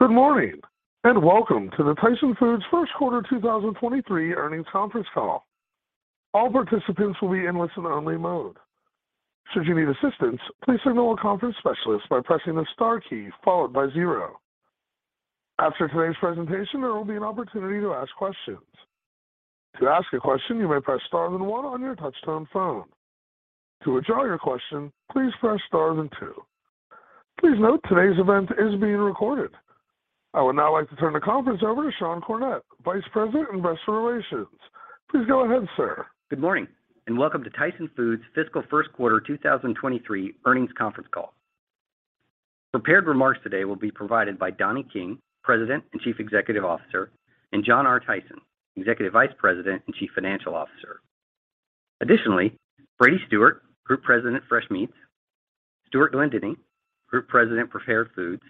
Good morning, and welcome to the Tyson Foods first quarter 2023 earnings conference call. All participants will be in listen only mode. Should you need assistance, please signal a conference specialist by pressing the star key followed by zero. After today's presentation, there will be an opportunity to ask questions. To ask a question, you may press Star then one on your touch-tone phone. To withdraw your question, please press Star then two. Please note today's event is being recorded. I would now like to turn the conference over to Sean Cornett, Vice President of Investor Relations. Please go ahead, sir. Good morning, and welcome to Tyson Foods' fiscal first quarter 2023 earnings conference call. Prepared remarks today will be provided by Donnie King, President and Chief Executive Officer, and John R. Tyson, Executive Vice President and Chief Financial Officer. Brady Stewart, Group President, Fresh Meats, Stewart Glendinning, Group President, Prepared Foods,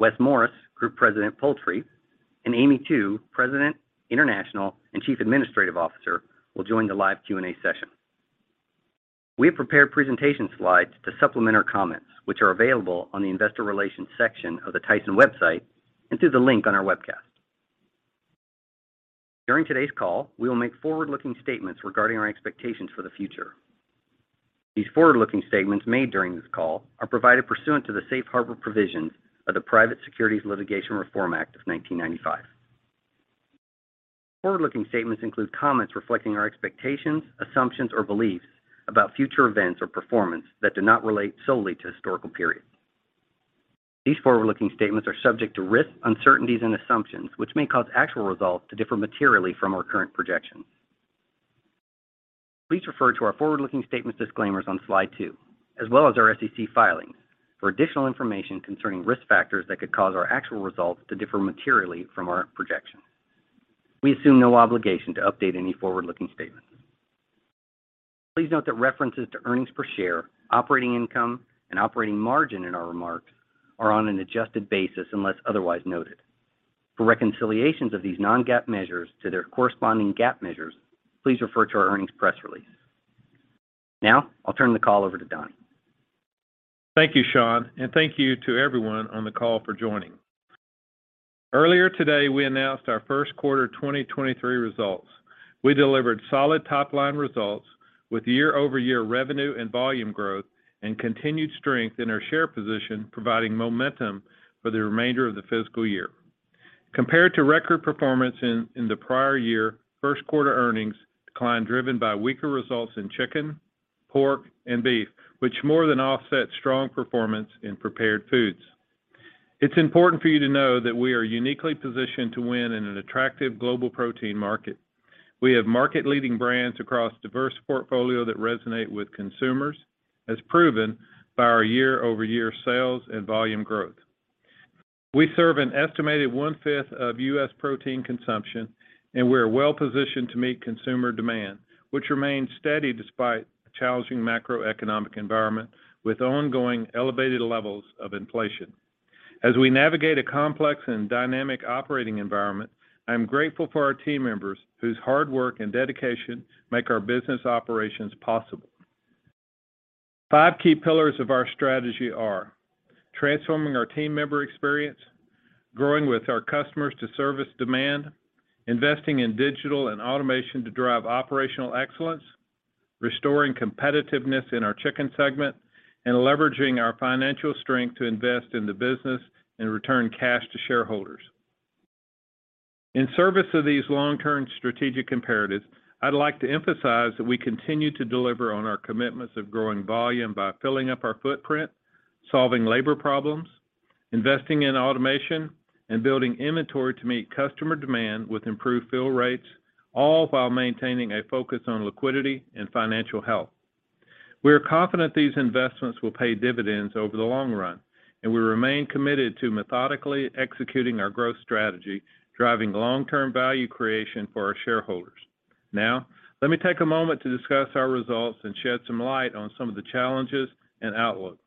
Wes Morris, Group President, Poultry, and Amy Tu, President, International and Chief Administrative Officer, will join the live Q&A session. We have prepared presentation slides to supplement our comments, which are available on the investor relations section of the Tyson website and through the link on our webcast. During today's call, we will make forward-looking statements regarding our expectations for the future. These forward-looking statements made during this call are provided pursuant to the safe harbor provisions of the Private Securities Litigation Reform Act of 1995. Forward-looking statements include comments reflecting our expectations, assumptions, or beliefs about future events or performance that do not relate solely to historical periods. These forward-looking statements are subject to risks, uncertainties and assumptions which may cause actual results to differ materially from our current projections. Please refer to our forward-looking statements disclaimers on slide two, as well as our SEC filings for additional information concerning risk factors that could cause our actual results to differ materially from our projections. We assume no obligation to update any forward-looking statement. Please note that references to earnings per share, operating income, and operating margin in our remarks are on an adjusted basis unless otherwise noted. For reconciliations of these non-GAAP measures to their corresponding GAAP measures, please refer to our earnings press release. Now, I'll turn the call over to Don. Thank you, Sean. Thank you to everyone on the call for joining. Earlier today, we announced our first quarter 2023 results. We delivered solid top-line results with year-over-year revenue and volume growth and continued strength in our share position, providing momentum for the remainder of the fiscal year. Compared to record performance in the prior year, first quarter earnings declined, driven by weaker results in chicken, pork, and beef, which more than offset strong performance in Prepared Foods. It's important for you to know that we are uniquely positioned to win in an attractive global protein market. We have market-leading brands across diverse portfolio that resonate with consumers, as proven by our year-over-year sales and volume growth. We serve an estimated 1/5 of U.S. protein consumption, and we're well-positioned to meet consumer demand, which remains steady despite a challenging macroeconomic environment with ongoing elevated levels of inflation. As we navigate a complex and dynamic operating environment, I am grateful for our team members whose hard work and dedication make our business operations possible. Five key pillars of our strategy are transforming our team member experience, growing with our customers to service demand, investing in digital and automation to drive operational excellence, restoring competitiveness in our chicken segment, and leveraging our financial strength to invest in the business and return cash to shareholders. In service of these long-term strategic imperatives, I'd like to emphasize that we continue to deliver on our commitments of growing volume by filling up our footprint, solving labor problems, investing in automation, and building inventory to meet customer demand with improved fill rates, all while maintaining a focus on liquidity and financial health. We are confident these investments will pay dividends over the long run. We remain committed to methodically executing our growth strategy, driving long-term value creation for our shareholders. Now, let me take a moment to discuss our results and shed some light on some of the challenges and outlook.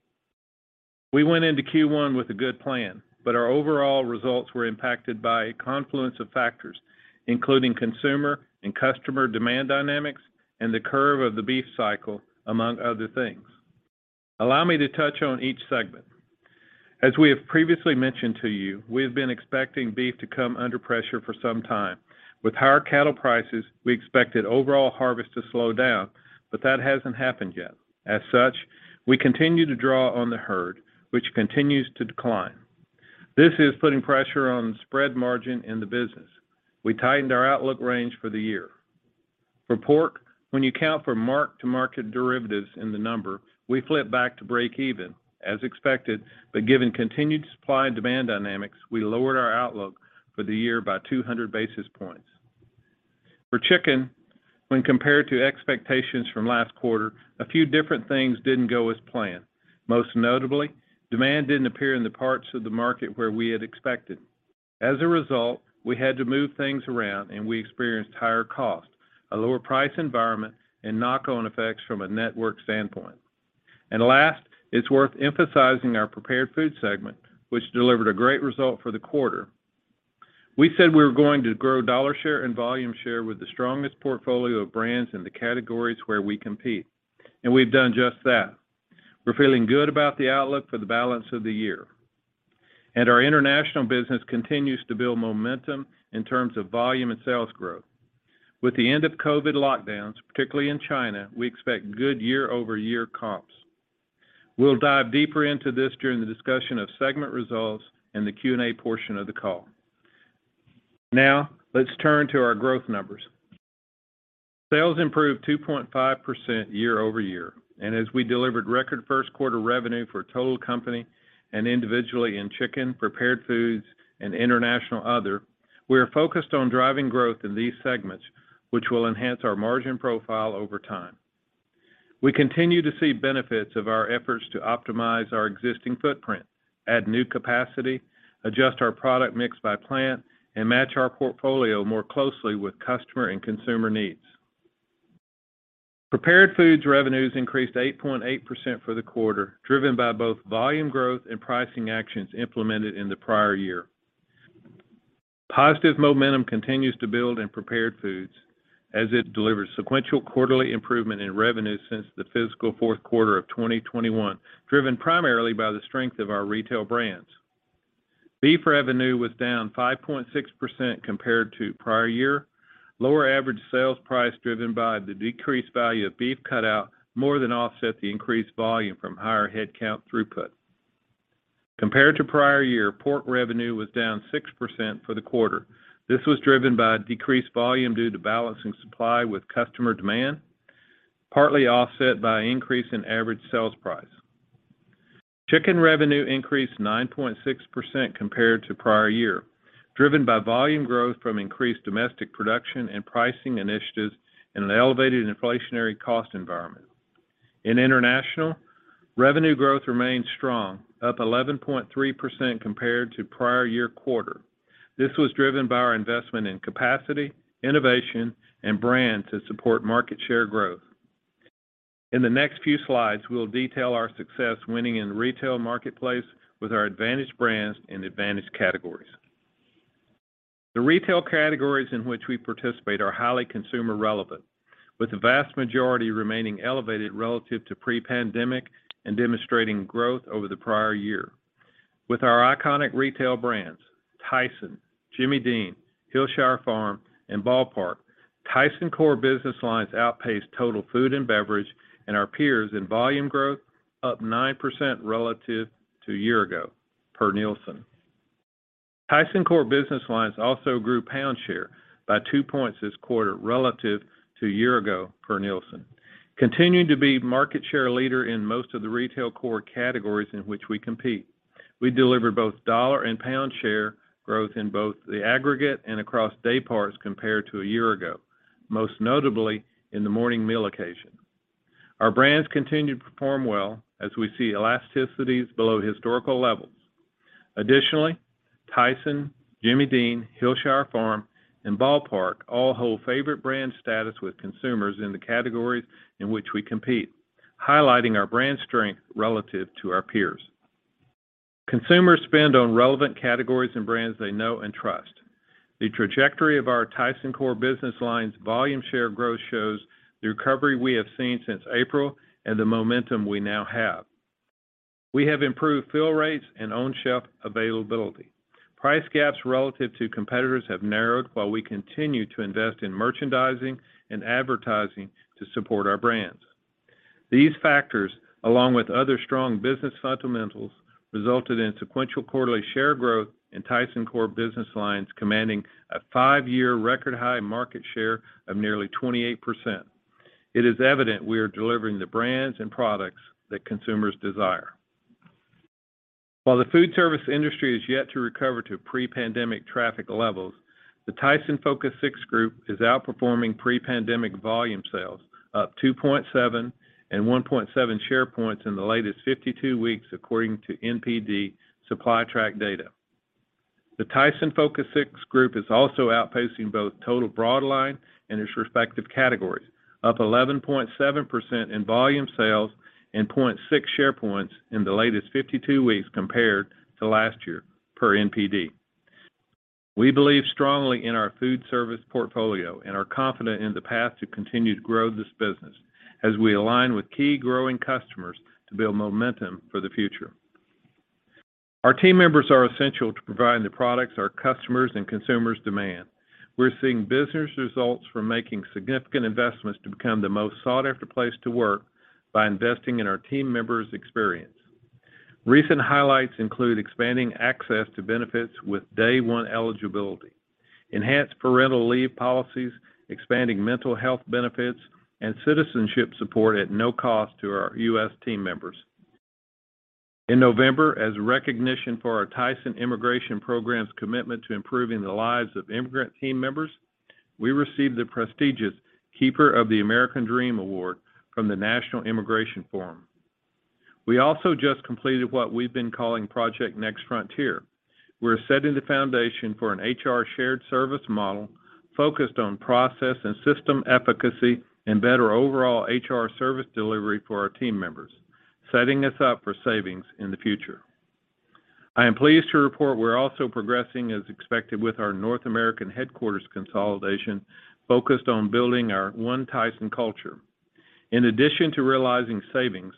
We went into Q1 with a good plan, our overall results were impacted by a confluence of factors, including consumer and customer demand dynamics and the curve of the beef cycle, among other things. Allow me to touch on each segment. As we have previously mentioned to you, we have been expecting beef to come under pressure for some time. With higher cattle prices, we expected overall harvest to slow down, that hasn't happened yet. As such, we continue to draw on the herd, which continues to decline. This is putting pressure on spread margin in the business. We tightened our outlook range for the year. For pork, when you count for mark-to-market derivatives in the number, we flip back to breakeven as expected, but given continued supply and demand dynamics, we lowered our outlook for the year by 200 basis points. For chicken, when compared to expectations from last quarter, a few different things didn't go as planned. Most notably, demand didn't appear in the parts of the market where we had expected. As a result, we had to move things around and we experienced higher cost, a lower price environment, and knock-on effects from a network standpoint. Last, it's worth emphasizing our Prepared Foods segment, which delivered a great result for the quarter. We said we were going to grow dollar share and volume share with the strongest portfolio of brands in the categories where we compete, and we've done just that. We're feeling good about the outlook for the balance of the year. Our international business continues to build momentum in terms of volume and sales growth. With the end of COVID lockdowns, particularly in China, we expect good year-over-year comps. We'll dive deeper into this during the discussion of segment results in the Q&A portion of the call. Now, let's turn to our growth numbers. Sales improved 2.5% year-over-year. As we delivered record first quarter revenue for total company and individually in chicken, prepared foods, and international other, we are focused on driving growth in these segments, which will enhance our margin profile over time. We continue to see benefits of our efforts to optimize our existing footprint, add new capacity, adjust our product mix by plant, and match our portfolio more closely with customer and consumer needs. Prepared foods revenues increased 8.8% for the quarter, driven by both volume growth and pricing actions implemented in the prior year. Positive momentum continues to build in prepared foods as it delivers sequential quarterly improvement in revenue since the fiscal fourth quarter of 2021, driven primarily by the strength of our retail brands. Beef revenue was down 5.6% compared to prior year. Lower average sales price driven by the decreased value of beef cutout more than offset the increased volume from higher headcount throughput. Compared to prior year, pork revenue was down 6% for the quarter. This was driven by decreased volume due to balancing supply with customer demand, partly offset by increase in average sales price. Chicken revenue increased 9.6% compared to prior year, driven by volume growth from increased domestic production and pricing initiatives in an elevated inflationary cost environment. In international, revenue growth remained strong, up 11.3% compared to prior year quarter. This was driven by our investment in capacity, innovation, and brand to support market share growth. In the next few slides, we'll detail our success winning in retail marketplace with our advantage brands and advantage categories. The retail categories in which we participate are highly consumer relevant, with the vast majority remaining elevated relative to pre-pandemic and demonstrating growth over the prior year. With our iconic retail brands, Tyson, Jimmy Dean, Hillshire Farm, and Ball Park, Tyson core business lines outpaced total food and beverage and our peers in volume growth up 9% relative to a year ago, per Nielsen. Tyson core business lines also grew pound share by two points this quarter relative to a year ago, per Nielsen. Continuing to be market share leader in most of the retail core categories in which we compete, we delivered both dollar and pound share growth in both the aggregate and across day parts compared to a year ago, most notably in the morning meal occasion. Our brands continue to perform well as we see elasticities below historical levels. Additionally, Tyson, Jimmy Dean, Hillshire Farm, and Ball Park all hold favorite brand status with consumers in the categories in which we compete, highlighting our brand strength relative to our peers. Consumers spend on relevant categories and brands they know and trust. The trajectory of our Tyson core business lines volume share growth shows the recovery we have seen since April and the momentum we now have. We have improved fill rates and own shelf availability. Price gaps relative to competitors have narrowed while we continue to invest in merchandising and advertising to support our brands. These factors, along with other strong business fundamentals, resulted in sequential quarterly share growth and Tyson core business lines commanding a five year record high market share of nearly 28%. It is evident we are delivering the brands and products that consumers desire. While the food service industry is yet to recover to pre-pandemic traffic levels, the Tyson Focus six group is outperforming pre-pandemic volume sales, up 2.7 and 1.7 share points in the latest 52 weeks according to NPD SupplyTrack data. The Tyson Focus 6 group is also outpacing both total broad line and its respective categories, up 11.7% in volume sales and 0.6 share points in the latest 52 weeks compared to last year per NPD. We believe strongly in our food service portfolio and are confident in the path to continue to grow this business as we align with key growing customers to build momentum for the future. Our team members are essential to providing the products our customers and consumers demand. We're seeing business results from making significant investments to become the most sought after place to work by investing in our team members' experience. Recent highlights include expanding access to benefits with day one eligibility, enhanced parental leave policies, expanding mental health benefits, and citizenship support at no cost to our U.S. team members. In November, as recognition for our Tyson Immigration Program's commitment to improving the lives of immigrant team members, we received the prestigious Keeper of the American Dream Award from the National Immigration Forum. We also just completed what we've been calling Project Next Frontier. We're setting the foundation for an HR shared service model focused on process and system efficacy and better overall HR service delivery for our team members. Setting us up for savings in the future. I am pleased to report we're also progressing as expected with our North American headquarters consolidation, focused on building our One Tyson culture. In addition to realizing savings,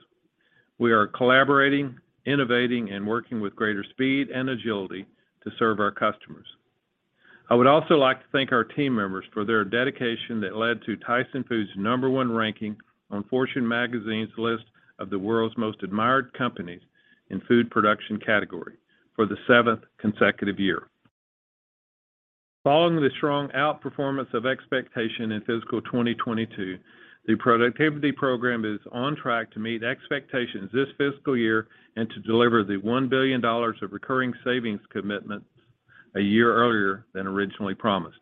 we are collaborating, innovating, and working with greater speed and agility to serve our customers. I would also like to thank our team members for their dedication that led to Tyson Foods' number one ranking on Fortune Magazine's list of the world's most admired companies in food production category for the seventh consecutive year. Following the strong outperformance of expectation in fiscal 2022, the productivity program is on track to meet expectations this fiscal year and to deliver the $1 billion of recurring savings commitments a year earlier than originally promised.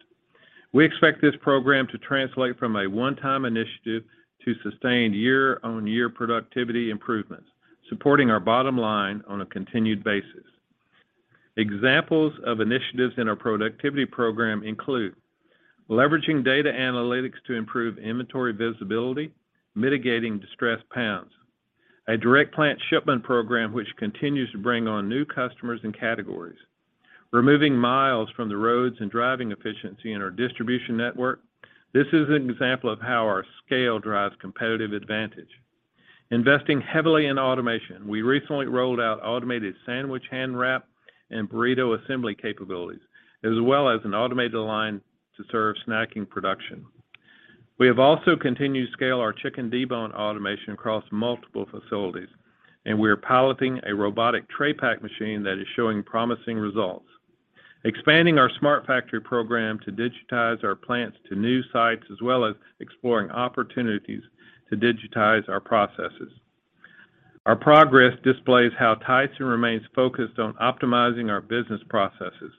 We expect this program to translate from a one-time initiative to sustained year-on-year productivity improvements, supporting our bottom line on a continued basis. Examples of initiatives in our productivity program include leveraging data analytics to improve inventory visibility, mitigating distressed pounds. A direct plant shipment program which continues to bring on new customers and categories. Removing miles from the roads and driving efficiency in our distribution network. This is an example of how our scale drives competitive advantage. Investing heavily in automation. We recently rolled out automated sandwich hand wrap and burrito assembly capabilities, as well as an automated line to serve snacking production. We have also continued to scale our chicken debone automation across multiple facilities, and we are piloting a robotic tray pack machine that is showing promising results. Expanding our smart factory program to digitize our plants to new sites, as well as exploring opportunities to digitize our processes. Our progress displays how Tyson remains focused on optimizing our business processes,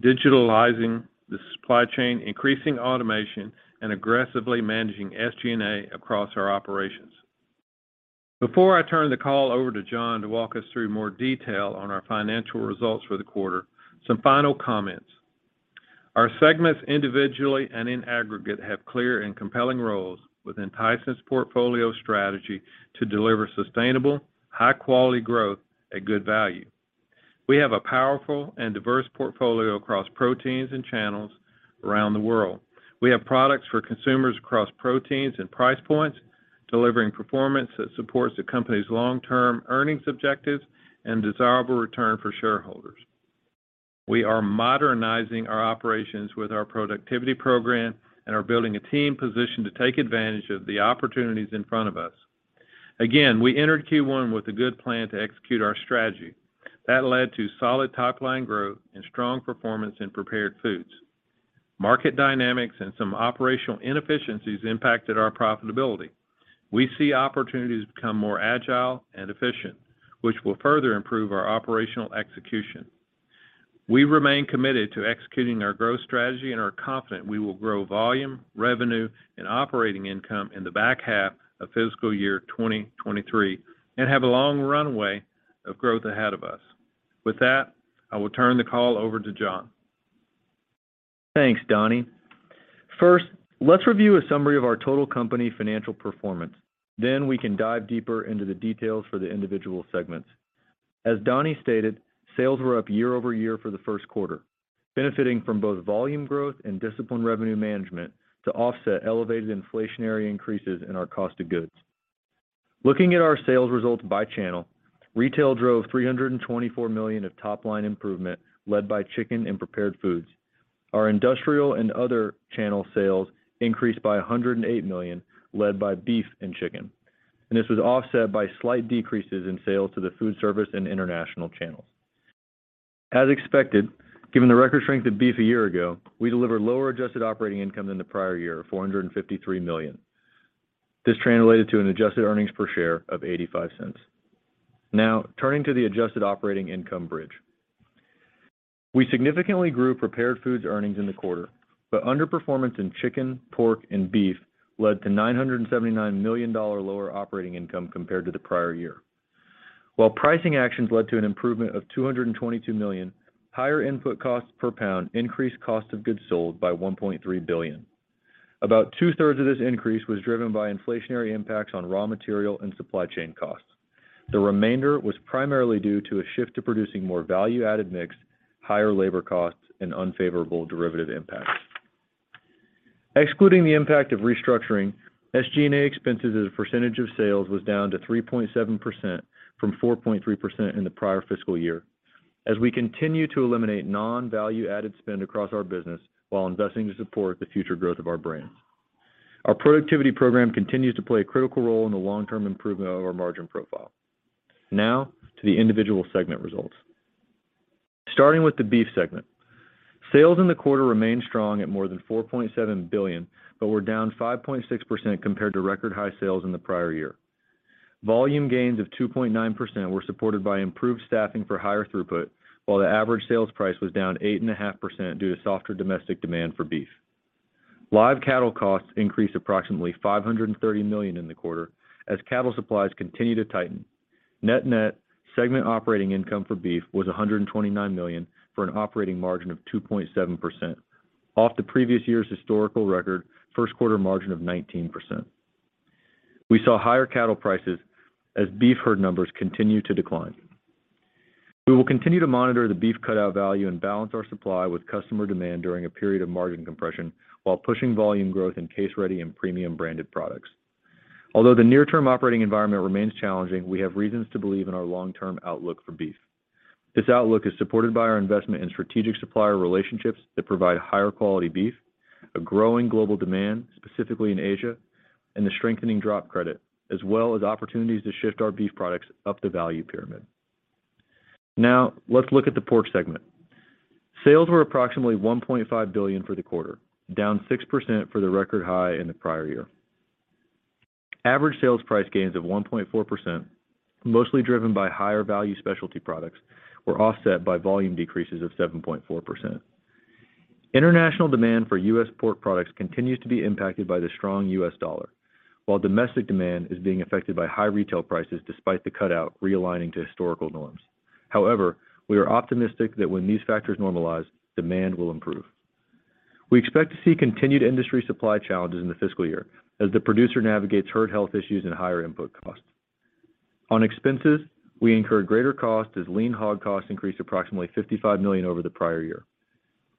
digitalizing the supply chain, increasing automation, and aggressively managing SG&A across our operations. Before I turn the call over to John to walk us through more detail on our financial results for the quarter, some final comments. Our segments individually and in aggregate have clear and compelling roles within Tyson's portfolio strategy to deliver sustainable, high quality growth at good value. We have a powerful and diverse portfolio across proteins and channels around the world. We have products for consumers across proteins and price points, delivering performance that supports the company's long-term earnings objectives and desirable return for shareholders. We are modernizing our operations with our productivity program and are building a team positioned to take advantage of the opportunities in front of us. Again, we entered Q1 with a good plan to execute our strategy. That led to solid top line growth and strong performance in Prepared Foods. Market dynamics and some operational inefficiencies impacted our profitability. We see opportunities to become more agile and efficient, which will further improve our operational execution. We remain committed to executing our growth strategy and are confident we will grow volume, revenue, and operating income in the back half of fiscal year 2023, and have a long runway of growth ahead of us. With that, I will turn the call over to John. Thanks, Donnie. Let's review a summary of our total company financial performance. We can dive deeper into the details for the individual segments. As Donnie stated, sales were up year-over-year for the first quarter, benefiting from both volume growth and disciplined revenue management to offset elevated inflationary increases in our cost of goods. Looking at our sales results by channel, retail drove 324 million of top line improvement, led by chicken and prepared foods. Our industrial and other channel sales increased by 108 million, led by beef and chicken, this was offset by slight decreases in sales to the foodservice and international channels. As expected, given the record strength of beef a year ago, we delivered lower adjusted operating income than the prior year, $453 million. This translated to an adjusted earnings per share of 0.85. Turning to the adjusted operating income bridge. We significantly grew Prepared Foods earnings in the quarter, but underperformance in chicken, pork, and beef led to $979 million lower operating income compared to the prior year. While pricing actions led to an improvement of 222 million, higher input costs per pound increased cost of goods sold by 1.3 billion. About two-thirds of this increase was driven by inflationary impacts on raw material and supply chain costs. The remainder was primarily due to a shift to producing more value-added mix, higher labor costs, and unfavorable derivative impacts. Excluding the impact of restructuring, SG&A expenses as a percentage of sales was down to 3.7% from 4.3% in the prior fiscal year as we continue to eliminate non-value added spend across our business while investing to support the future growth of our brands. Our productivity program continues to play a critical role in the long-term improvement of our margin profile. Now to the individual segment results. Starting with the beef segment. Sales in the quarter remained strong at more than 4.7 billion, but were down 5.6% compared to record high sales in the prior year. Volume gains of 2.9% were supported by improved staffing for higher throughput, while the average sales price was down 8.5% due to softer domestic demand for beef. Live cattle costs increased approximately 530 million in the quarter as cattle supplies continue to tighten. Net net segment operating income for beef was 129 million, for an operating margin of 2.7%. Off the previous year's historical record, first quarter margin of 19%. We saw higher cattle prices as beef herd numbers continue to decline. We will continue to monitor the beef cutout value and balance our supply with customer demand during a period of margin compression while pushing volume growth in case-ready and premium branded products. Although the near-term operating environment remains challenging, we have reasons to believe in our long-term outlook for beef. This outlook is supported by our investment in strategic supplier relationships that provide higher quality beef, a growing global demand, specifically in Asia, and the strengthening drop credit, as well as opportunities to shift our beef products up the value pyramid. Let's look at the pork segment. Sales were approximately 1.5 billion for the quarter, down 6% for the record high in the prior year. Average sales price gains of 1.4%, mostly driven by higher value specialty products, were offset by volume decreases of 7.4%. International demand for U.S. pork products continues to be impacted by the strong U.S. dollar, while domestic demand is being affected by high retail prices despite the cutout realigning to historical norms. We are optimistic that when these factors normalize, demand will improve. We expect to see continued industry supply challenges in the fiscal year as the producer navigates herd health issues and higher input costs. On expenses, we incurred greater cost as lean hog costs increased approximately 55 million over the prior year.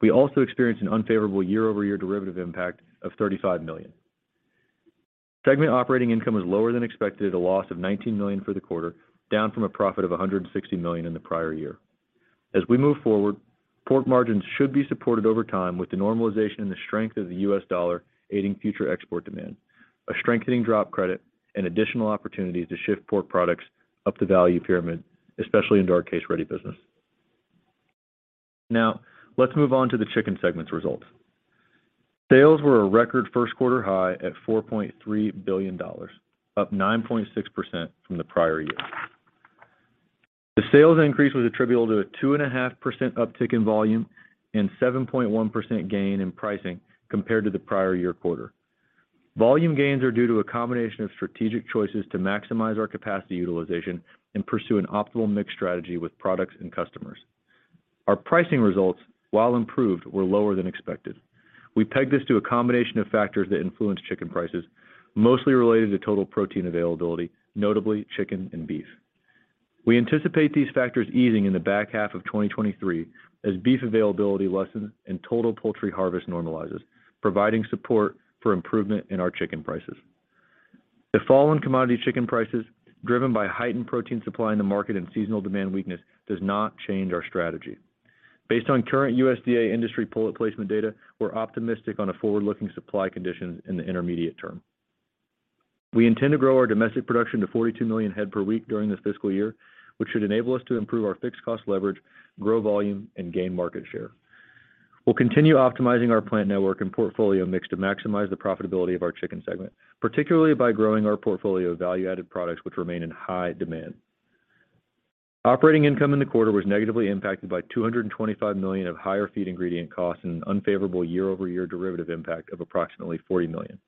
We also experienced an unfavorable year-over-year derivative impact of 35 million. Segment operating income was lower than expected at a loss of $19 million for the quarter, down from a profit of 160 million in the prior year. As we move forward, pork margins should be supported over time with the normalization and the strength of the US dollar aiding future export demand, a strengthening drop credit and additional opportunities to shift pork products up the value pyramid, especially into our case-ready business. Let's move on to the chicken segment's results. Sales were a record first quarter high at $4.3 billion, up 9.6% from the prior year. The sales increase was attributable to a 2.5% uptick in volume and 7.1% gain in pricing compared to the prior year quarter. Volume gains are due to a combination of strategic choices to maximize our capacity utilization and pursue an optimal mix strategy with products and customers. Our pricing results, while improved, were lower than expected. We peg this to a combination of factors that influence chicken prices, mostly related to total protein availability, notably chicken and beef. We anticipate these factors easing in the back half of 2023 as beef availability lessens and total poultry harvest normalizes, providing support for improvement in our chicken prices. The fall in commodity chicken prices, driven by heightened protein supply in the market and seasonal demand weakness, does not change our strategy. Based on current USDA industry pullet placement data, we're optimistic on a forward-looking supply conditions in the intermediate term. We intend to grow our domestic production to 42 million head per week during this fiscal year, which should enable us to improve our fixed cost leverage, grow volume and gain market share. We'll continue optimizing our plant network and portfolio mix to maximize the profitability of our chicken segment, particularly by growing our portfolio of value-added products which remain in high demand. Operating income in the quarter was negatively impacted by 225 million of higher feed ingredient costs and an unfavorable year-over-year derivative impact of approximately 40 million.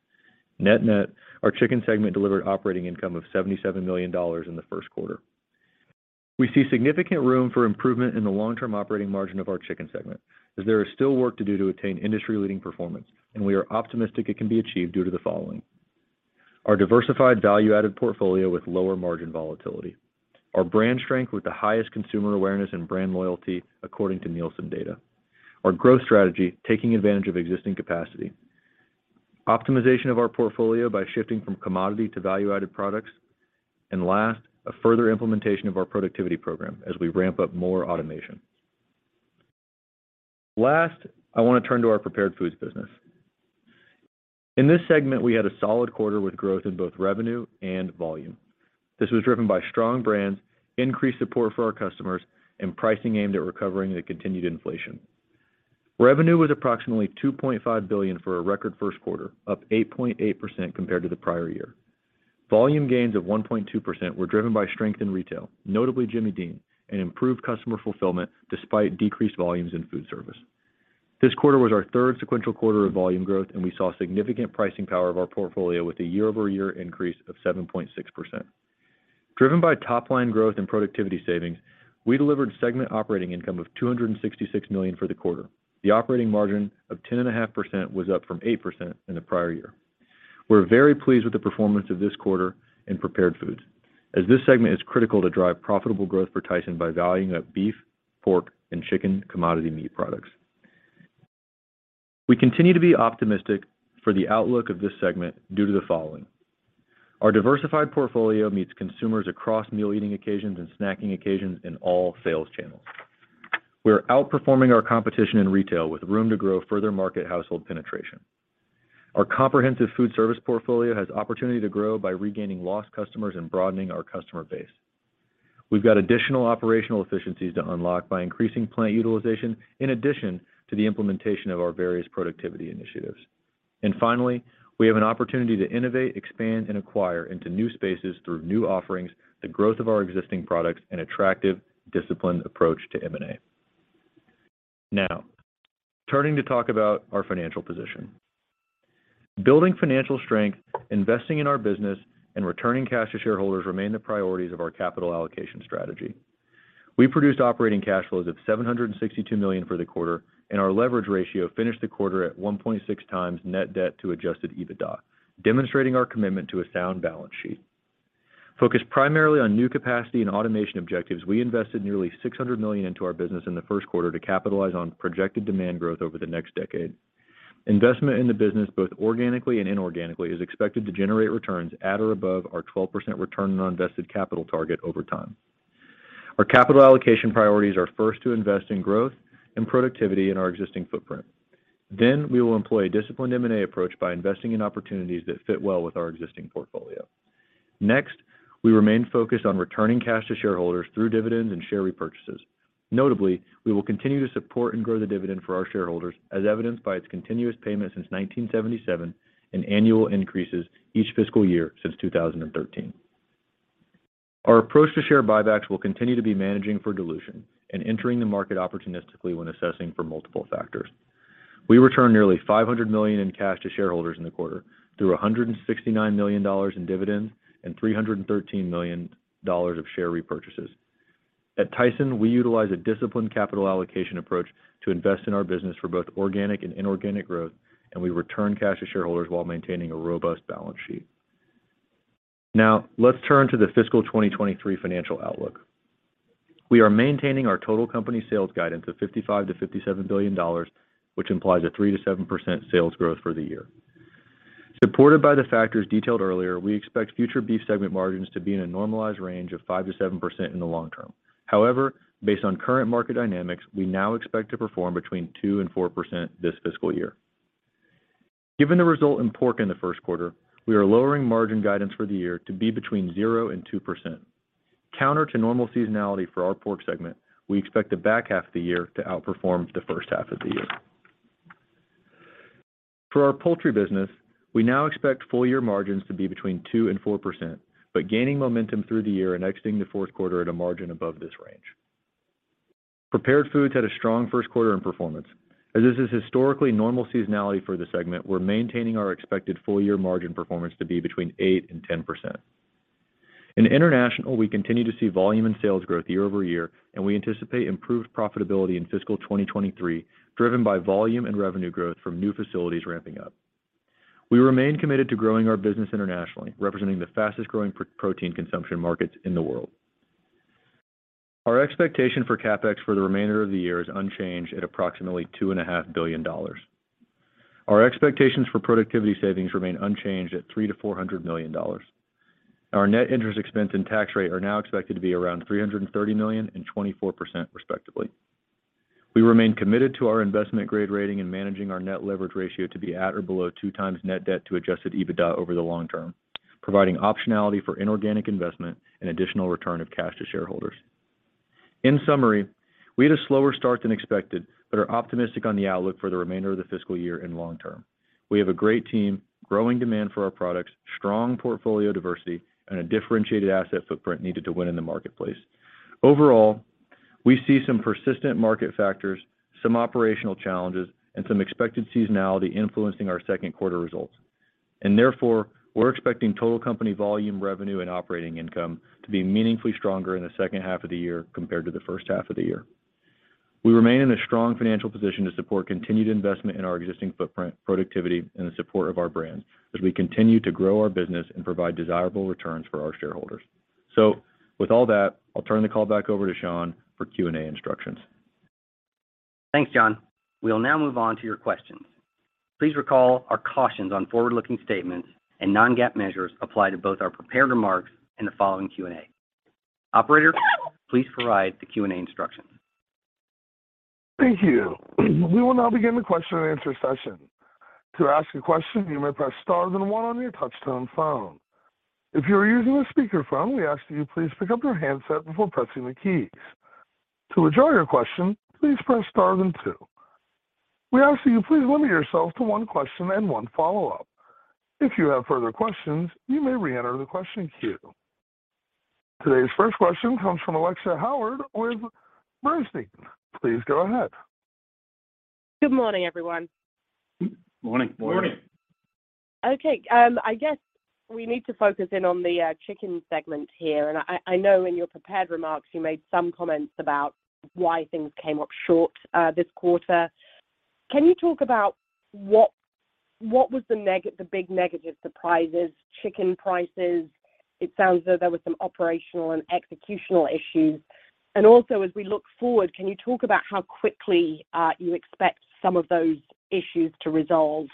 Net-net, our chicken segment delivered operating income of $77 million in the first quarter. We see significant room for improvement in the long-term operating margin of our chicken segment as there is still work to do to attain industry-leading performance, and we are optimistic it can be achieved due to the following. Our diversified value-added portfolio with lower margin volatility. Our brand strength with the highest consumer awareness and brand loyalty according to Nielsen data. Our growth strategy, taking advantage of existing capacity. Optimization of our portfolio by shifting from commodity to value-added products. Last, a further implementation of our productivity program as we ramp up more automation. Last, I want to turn to our Prepared Foods business. In this segment, we had a solid quarter with growth in both revenue and volume. This was driven by strong brands, increased support for our customers, and pricing aimed at recovering the continued inflation. Revenue was approximately 2.5 billion for a record first quarter, up 8.8% compared to the prior year. Volume gains of 1.2% were driven by strength in retail, notably Jimmy Dean, and improved customer fulfillment despite decreased volumes in food service. This quarter was our third sequential quarter of volume growth. We saw significant pricing power of our portfolio with a year-over-year increase of 7.6%. Driven by top-line growth and productivity savings, we delivered segment operating income of 266 million for the quarter. The operating margin of 10.5% was up from 8% in the prior year. We're very pleased with the performance of this quarter in prepared foods, as this segment is critical to drive profitable growth for Tyson by valuing up beef, pork, and chicken commodity meat products. We continue to be optimistic for the outlook of this segment due to the following. Our diversified portfolio meets consumers across meal eating occasions and snacking occasions in all sales channels. We're outperforming our competition in retail with room to grow further market household penetration. Our comprehensive food service portfolio has opportunity to grow by regaining lost customers and broadening our customer base. We've got additional operational efficiencies to unlock by increasing plant utilization in addition to the implementation of our various productivity initiatives. Finally, we have an opportunity to innovate, expand, and acquire into new spaces through new offerings, the growth of our existing products, and attractive, disciplined approach to M&A. Turning to talk about our financial position. Building financial strength, investing in our business, and returning cash to shareholders remain the priorities of our capital allocation strategy. We produced operating cash flows of 762 million for the quarter. Our leverage ratio finished the quarter at 1.6 times net debt to adjusted EBITDA, demonstrating our commitment to a sound balance sheet. Focused primarily on new capacity and automation objectives, we invested nearly $600 million into our business in the first quarter to capitalize on projected demand growth over the next decade. Investment in the business, both organically and inorganically, is expected to generate returns at or above our 12% return on invested capital target over time. Our capital allocation priorities are first to invest in growth and productivity in our existing footprint. We will employ a disciplined M&A approach by investing in opportunities that fit well with our existing portfolio. We remain focused on returning cash to shareholders through dividends and share repurchases. Notably, we will continue to support and grow the dividend for our shareholders, as evidenced by its continuous payment since 1977 and annual increases each fiscal year since 2013. Our approach to share buybacks will continue to be managing for dilution and entering the market opportunistically when assessing for multiple factors. We returned nearly 500 million in cash to shareholders in the quarter through $169 million in dividends and $313 million of share repurchases. At Tyson, we utilize a disciplined capital allocation approach to invest in our business for both organic and inorganic growth, and we return cash to shareholders while maintaining a robust balance sheet. Now, let's turn to the fiscal 2023 financial outlook. We are maintaining our total company sales guidance of 55 billion-$57 billion, which implies a 3%-7% sales growth for the year. Supported by the factors detailed earlier, we expect future beef segment margins to be in a normalized range of 5%-7% in the long term. Based on current market dynamics, we now expect to perform between 2% and 4% this fiscal year. Given the result in pork in the first quarter, we are lowering margin guidance for the year to be between 0% and 2%. Counter to normal seasonality for our pork segment, we expect the back half of the year to outperform the first half of the year. For our poultry business, we now expect full year margins to be between 2% and 4%, gaining momentum through the year and exiting the fourth quarter at a margin above this range. Prepared Foods had a strong first quarter in performance. As this is historically normal seasonality for the segment, we're maintaining our expected full year margin performance to be between 8% and 10%. In international, we continue to see volume and sales growth year-over-year, we anticipate improved profitability in fiscal 2023, driven by volume and revenue growth from new facilities ramping up. We remain committed to growing our business internationally, representing the fastest-growing protein consumption markets in the world. Our expectation for CapEx for the remainder of the year is unchanged at approximately two and a half billion dollars. Our expectations for productivity savings remain unchanged at 300 million-$400 million. Our net interest expense and tax rate are now expected to be around 330 million and 24% respectively. We remain committed to our investment-grade rating and managing our net leverage ratio to be at or below two times net debt to adjusted EBITDA over the long term, providing optionality for inorganic investment and additional return of cash to shareholders. In summary, we had a slower start than expected, but are optimistic on the outlook for the remainder of the fiscal year and long term. We have a great team, growing demand for our products, strong portfolio diversity, and a differentiated asset footprint needed to win in the marketplace. Overall, we see some persistent market factors, some operational challenges, and some expected seasonality influencing our second quarter results. Therefore, we're expecting total company volume revenue and operating income to be meaningfully stronger in the second half of the year compared to the first half of the year. We remain in a strong financial position to support continued investment in our existing footprint, productivity, and the support of our brands as we continue to grow our business and provide desirable returns for our shareholders. With all that, I'll turn the call back over to Sean for Q&A instructions. Thanks, John. We'll now move on to your questions. Please recall our cautions on forward-looking statements and non-GAAP measures apply to both our prepared remarks and the following Q&A. Operator, please provide the Q&A instructions. Thank you. We will now begin the question and answer session. To ask a question, you may press star then one on your touchtone phone. If you are using a speakerphone, we ask that you please pick up your handset before pressing the keys. To withdraw your question, please press star then two. We ask that you please limit yourself to one question and one follow-up. If you have further questions, you may reenter the question queue. Today's first question comes from Alexia Howard with Bernstein. Please go ahead. Good morning, everyone. Morning. Morning. Okay, I guess we need to focus in on the chicken segment here. I know in your prepared remarks you made some comments about why things came up short this quarter. Can you talk about what was the big negative surprises, chicken prices? It sounds as though there were some operational and executional issues. Also, as we look forward, can you talk about how quickly you expect some of those issues to resolve,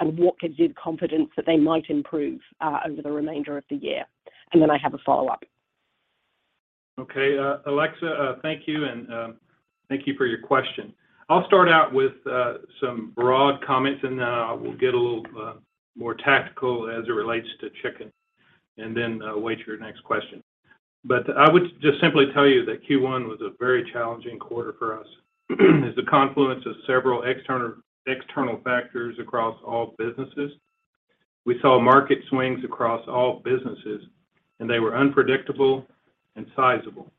and what gives you confidence that they might improve over the remainder of the year? Then I have a follow-up. Alexia, thank you, and thank you for your question. I'll start out with some broad comments, and then I will get a little more tactical as it relates to chicken, and then wait for your next question. I would just simply tell you that Q1 was a very challenging quarter for us as the confluence of several external factors across all businesses. We saw market swings across all businesses, and they were unpredictable and sizable.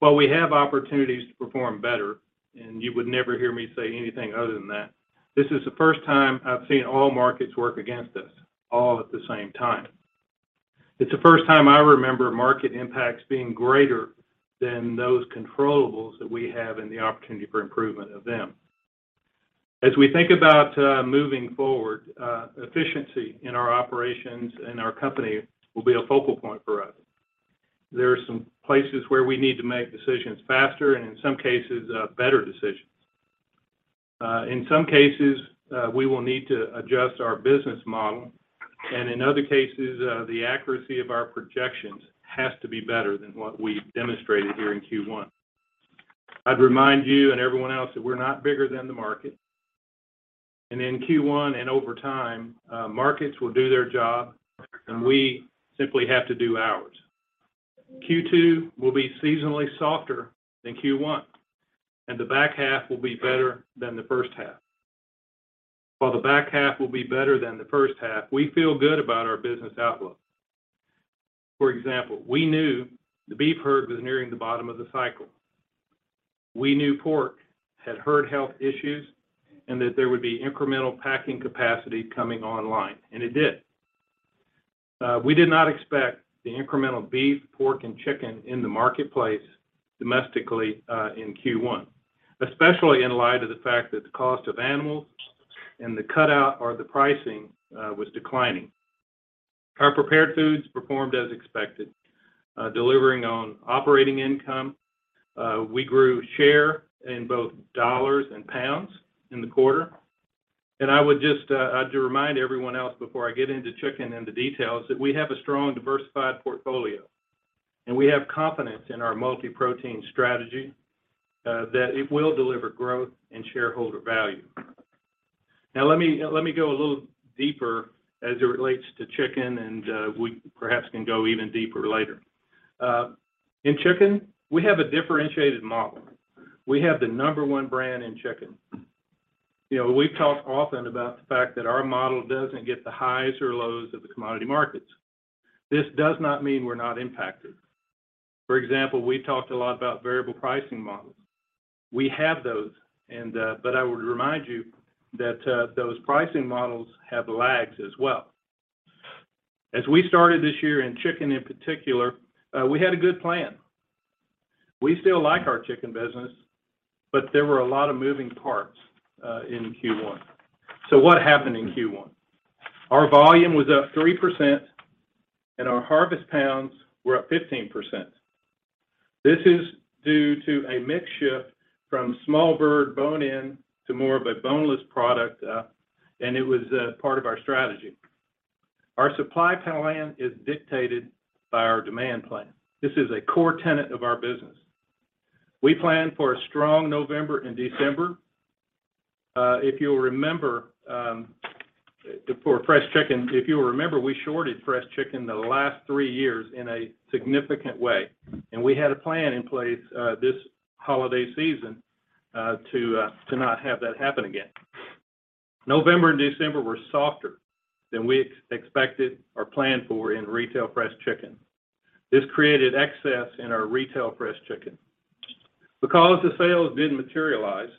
While we have opportunities to perform better, and you would never hear me say anything other than that, this is the first time I've seen all markets work against us all at the same time. It's the first time I remember market impacts being greater than those controllables that we have and the opportunity for improvement of them. As we think about moving forward, efficiency in our operations and our company will be a focal point for us. There are some places where we need to make decisions faster and in some cases, better decisions. In some cases, we will need to adjust our business model, and in other cases, the accuracy of our projections has to be better than what we demonstrated here in Q1. I'd remind you and everyone else that we're not bigger than the market. In Q1 and over time, markets will do their job, and we simply have to do ours. Q2 will be seasonally softer than Q1, and the back half will be better than the first half. While the back half will be better than the first half, we feel good about our business outlook. For example, we knew the beef herd was nearing the bottom of the cycle. We knew pork had herd health issues and that there would be incremental packing capacity coming online, and it did. We did not expect the incremental beef, pork, and chicken in the marketplace domestically in Q1, especially in light of the fact that the cost of animals and the cutout or the pricing was declining. Our prepared foods performed as expected, delivering on operating income. We grew share in both dollars and pounds in the quarter. I would just, I have to remind everyone else before I get into chicken and the details that we have a strong, diversified portfolio, and we have confidence in our multi-protein strategy, that it will deliver growth and shareholder value. Let me go a little deeper as it relates to chicken and, we perhaps can go even deeper later. In chicken, we have a differentiated model. We have the number one brand in chicken. You know, we've talked often about the fact that our model doesn't get the highs or lows of the commodity markets. This does not mean we're not impacted. For example, we talked a lot about variable pricing models. We have those, and I would remind you that, those pricing models have lags as well. As we started this year in chicken in particular, we had a good plan. We still like our chicken business, there were a lot of moving parts in Q1. What happened in Q1? Our volume was up 3%, and our harvest pounds were up 15%. This is due to a mix shift from small bird bone-in to more of a boneless product, and it was part of our strategy. Our supply plan is dictated by our demand plan. This is a core tenet of our business. We planned for a strong November and December. If you'll remember, for fresh chicken, if you'll remember, we shorted fresh chicken the last 3 years in a significant way, and we had a plan in place this holiday season to not have that happen again. November and December were softer than we expected or planned for in retail fresh chicken. This created excess in our retail fresh chicken. The sales didn't materialize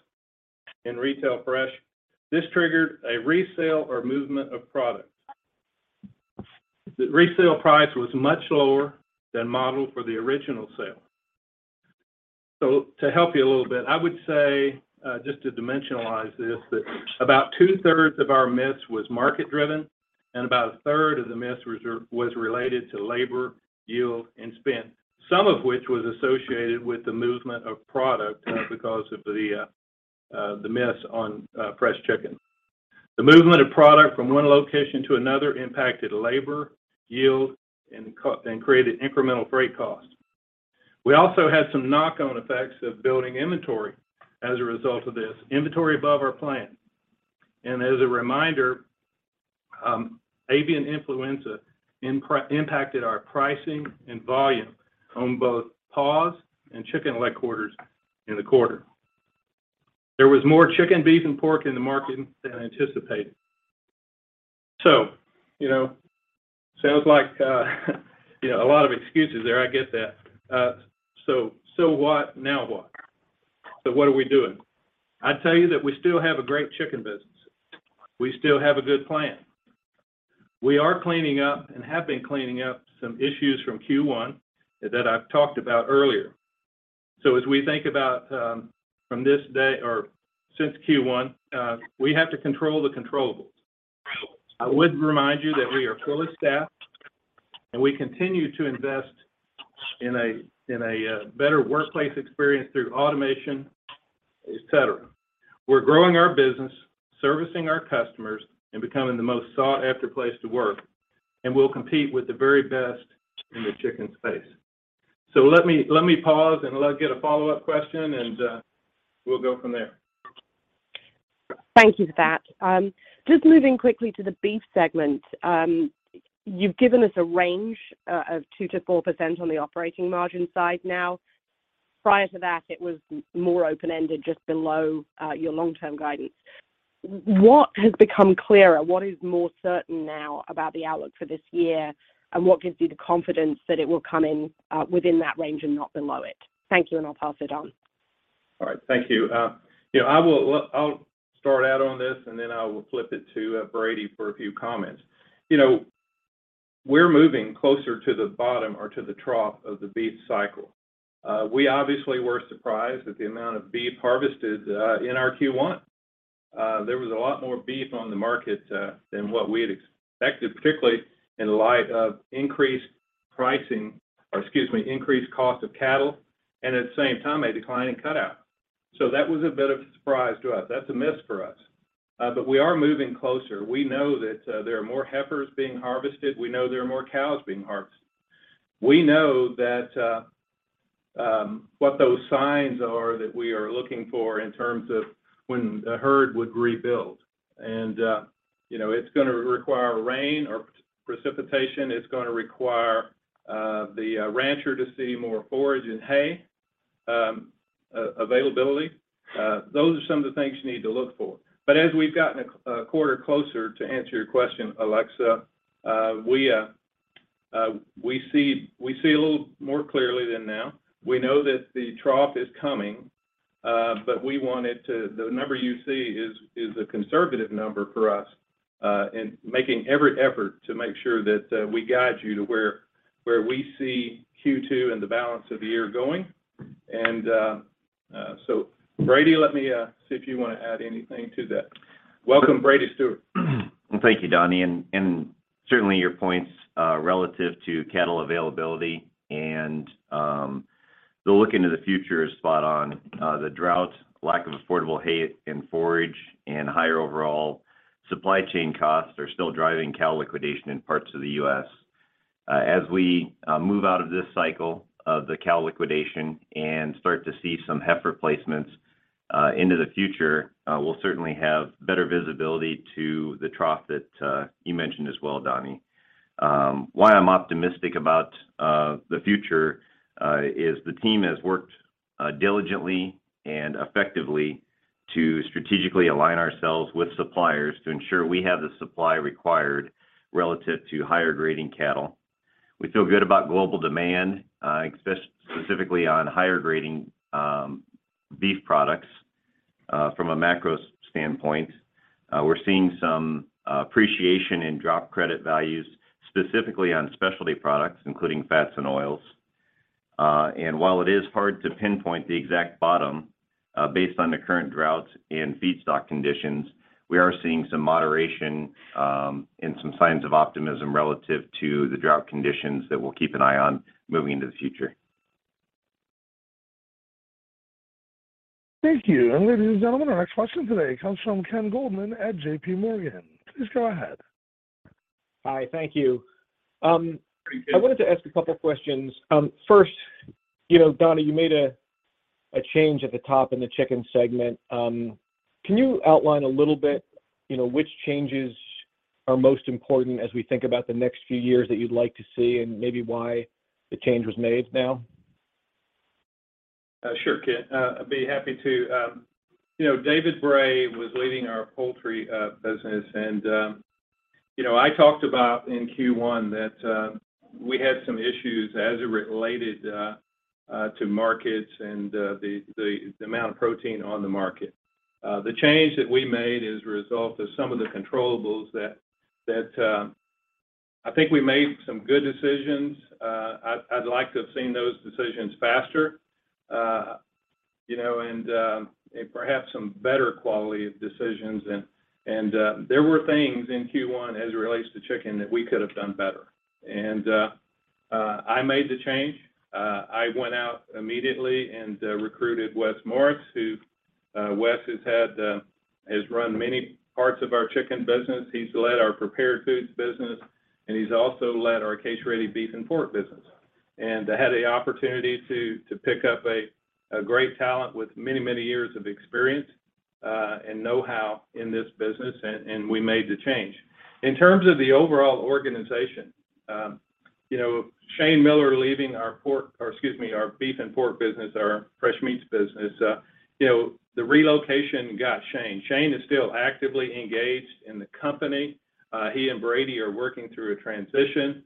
in retail fresh, this triggered a resale or movement of product. The resale price was much lower than modeled for the original sale. To help you a little bit, I would say, just to dimensionalize this, that about two-thirds of our miss was market-driven, and about a third of the miss was related to labor, yield, and spend, some of which was associated with the movement of product, because of the miss on fresh chicken. The movement of product from one location to another impacted labor, yield, and created incremental freight costs. We also had some knock-on effects of building inventory as a result of this, inventory above our plan. As a reminder, avian influenza impacted our pricing and volume on both paws and chicken leg quarters in the quarter. There was more chicken, beef, and pork in the market than anticipated. You know, sounds like, you know, a lot of excuses there. I get that. So what? Now what? What are we doing? I'd tell you that we still have a great chicken business. We still have a good plan. We are cleaning up and have been cleaning up some issues from Q1 that I've talked about earlier. As we think about, from this day or since Q1, we have to control the controllables. I would remind you that we are fully staffed, and we continue to invest in a better workplace experience through automation, et cetera. We're growing our business, servicing our customers, and becoming the most sought-after place to work, and we'll compete with the very best in the chicken space. Let me pause and let's get a follow-up question, and we'll go from there. Thank you for that. Just moving quickly to the beef segment. You've given us a range of 2%-4% on the operating margin side now. Prior to that, it was more open-ended, just below your long-term guidance. What has become clearer, what is more certain now about the outlook for this year, and what gives you the confidence that it will come in, within that range and not below it? Thank you, and I'll pass it on. All right. Thank you. You know, I'll start out on this, then I will flip it to Brady for a few comments. You know, we're moving closer to the bottom or to the trough of the beef cycle. We obviously were surprised at the amount of beef harvested in our Q1. There was a lot more beef on the market than what we had expected, particularly in light of increased pricing or, excuse me, increased cost of cattle, at the same time, a decline in cutout. That was a bit of a surprise to us. That's a miss for us. We are moving closer. We know that there are more heifers being harvested. We know there are more cows being harvested. We know that what those signs are that we are looking for in terms of when a herd would rebuild. You know, it's gonna require rain or precipitation. It's gonna require the rancher to see more forage and hay availability. Those are some of the things you need to look for. As we've gotten a quarter closer, to answer your question, Alexia, we see a little more clearly than now. We know that the trough is coming, but we want it to-- The number you see is a conservative number for us in making every effort to make sure that we guide you to where we see Q2 and the balance of the year going. Brady, let me see if you wanna add anything to that. Welcome, Brady Stewart. Thank you, Donnie. Certainly your points relative to cattle availability and the look into the future is spot on. The drought, lack of affordable hay and forage, and higher overall supply chain costs are still driving cow liquidation in parts of the U.S. As we move out of this cycle of the cow liquidation and start to see some heifer placements into the future, we'll certainly have better visibility to the trough that you mentioned as well, Donnie. Why I'm optimistic about the future is the team has worked diligently and effectively to strategically align ourselves with suppliers to ensure we have the supply required relative to higher grading cattle. We feel good about global demand, specifically on higher grading beef products from a macro standpoint. We're seeing some appreciation in drop credit values, specifically on specialty products, including fats and oils. While it is hard to pinpoint the exact bottom, based on the current droughts and feedstock conditions, we are seeing some moderation and some signs of optimism relative to the drought conditions that we'll keep an eye on moving into the future. Thank you. Ladies and gentlemen, our next question today comes from Kenneth Goldman at J.P. Morgan. Please go ahead. Hi. Thank you. Hey, Ken. I wanted to ask a couple questions. First, you know, Donnie, you made a change at the top in the chicken segment. Can you outline a little bit, you know, which changes are most important as we think about the next few years that you'd like to see and maybe why the change was made now? Sure, Ken. I'd be happy to. You know, David Bray was leading our poultry business and, you know, I talked about in Q1 that we had some issues as it related to markets and the amount of protein on the market. The change that we made is a result of some of the controllables that I think we made some good decisions. I'd like to have seen those decisions faster, you know, and perhaps some better quality of decisions. There were things in Q1 as it relates to chicken that we could have done better. I made the change. I went out immediately and recruited Wes Morris, who Wes has had, has run many parts of our chicken business. He's led our Prepared Foods business, he's also led our case-ready beef and pork business. I had the opportunity to pick up a great talent with many, many years of experience and know-how in this business and we made the change. In terms of the overall organization, you know, Shane Miller leaving our pork or, excuse me, our beef and pork business, our Fresh Meats business, you know, the relocation got Shane. Shane is still actively engaged in the company. He and Brady are working through a transition.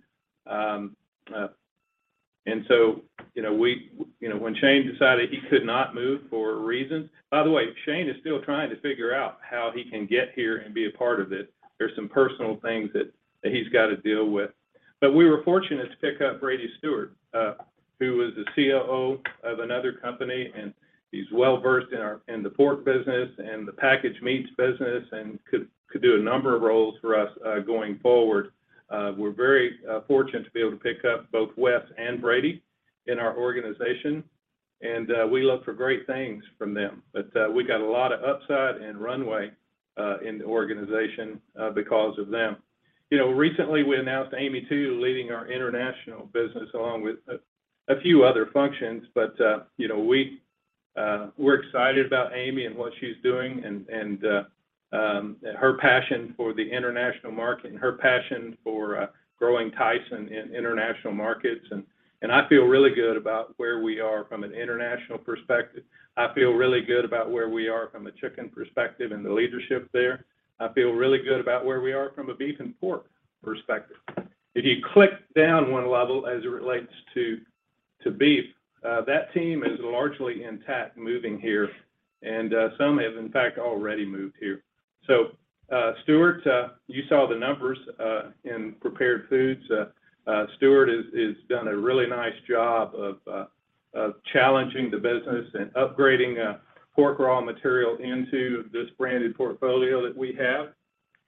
You know, when Shane decided he could not move for reasons. By the way, Shane is still trying to figure out how he can get here and be a part of this. There's some personal things that he's gotta deal with. We were fortunate to pick up Brady Stewart, who was the COO of another company, and he's well-versed in our, in the pork business and the packaged meats business and could do a number of roles for us, going forward. We're very fortunate to be able to pick up both Wes and Brady in our organization, and we look for great things from them. We got a lot of upside and runway in the organization because of them. You know, recently we announced Amy Tu leading our international business along with a few other functions. You know, we're excited about Amy and what she's doing and her passion for the international market and her passion for growing Tyson in international markets. I feel really good about where we are from an international perspective. I feel really good about where we are from a chicken perspective and the leadership there. I feel really good about where we are from a beef and pork perspective. If you click down one level as it relates to beef, that team is largely intact moving here, and some have in fact already moved here. So Stewart, you saw the numbers in prepared foods. Stewart has done a really nice job of challenging the business and upgrading pork raw material into this branded portfolio that we have.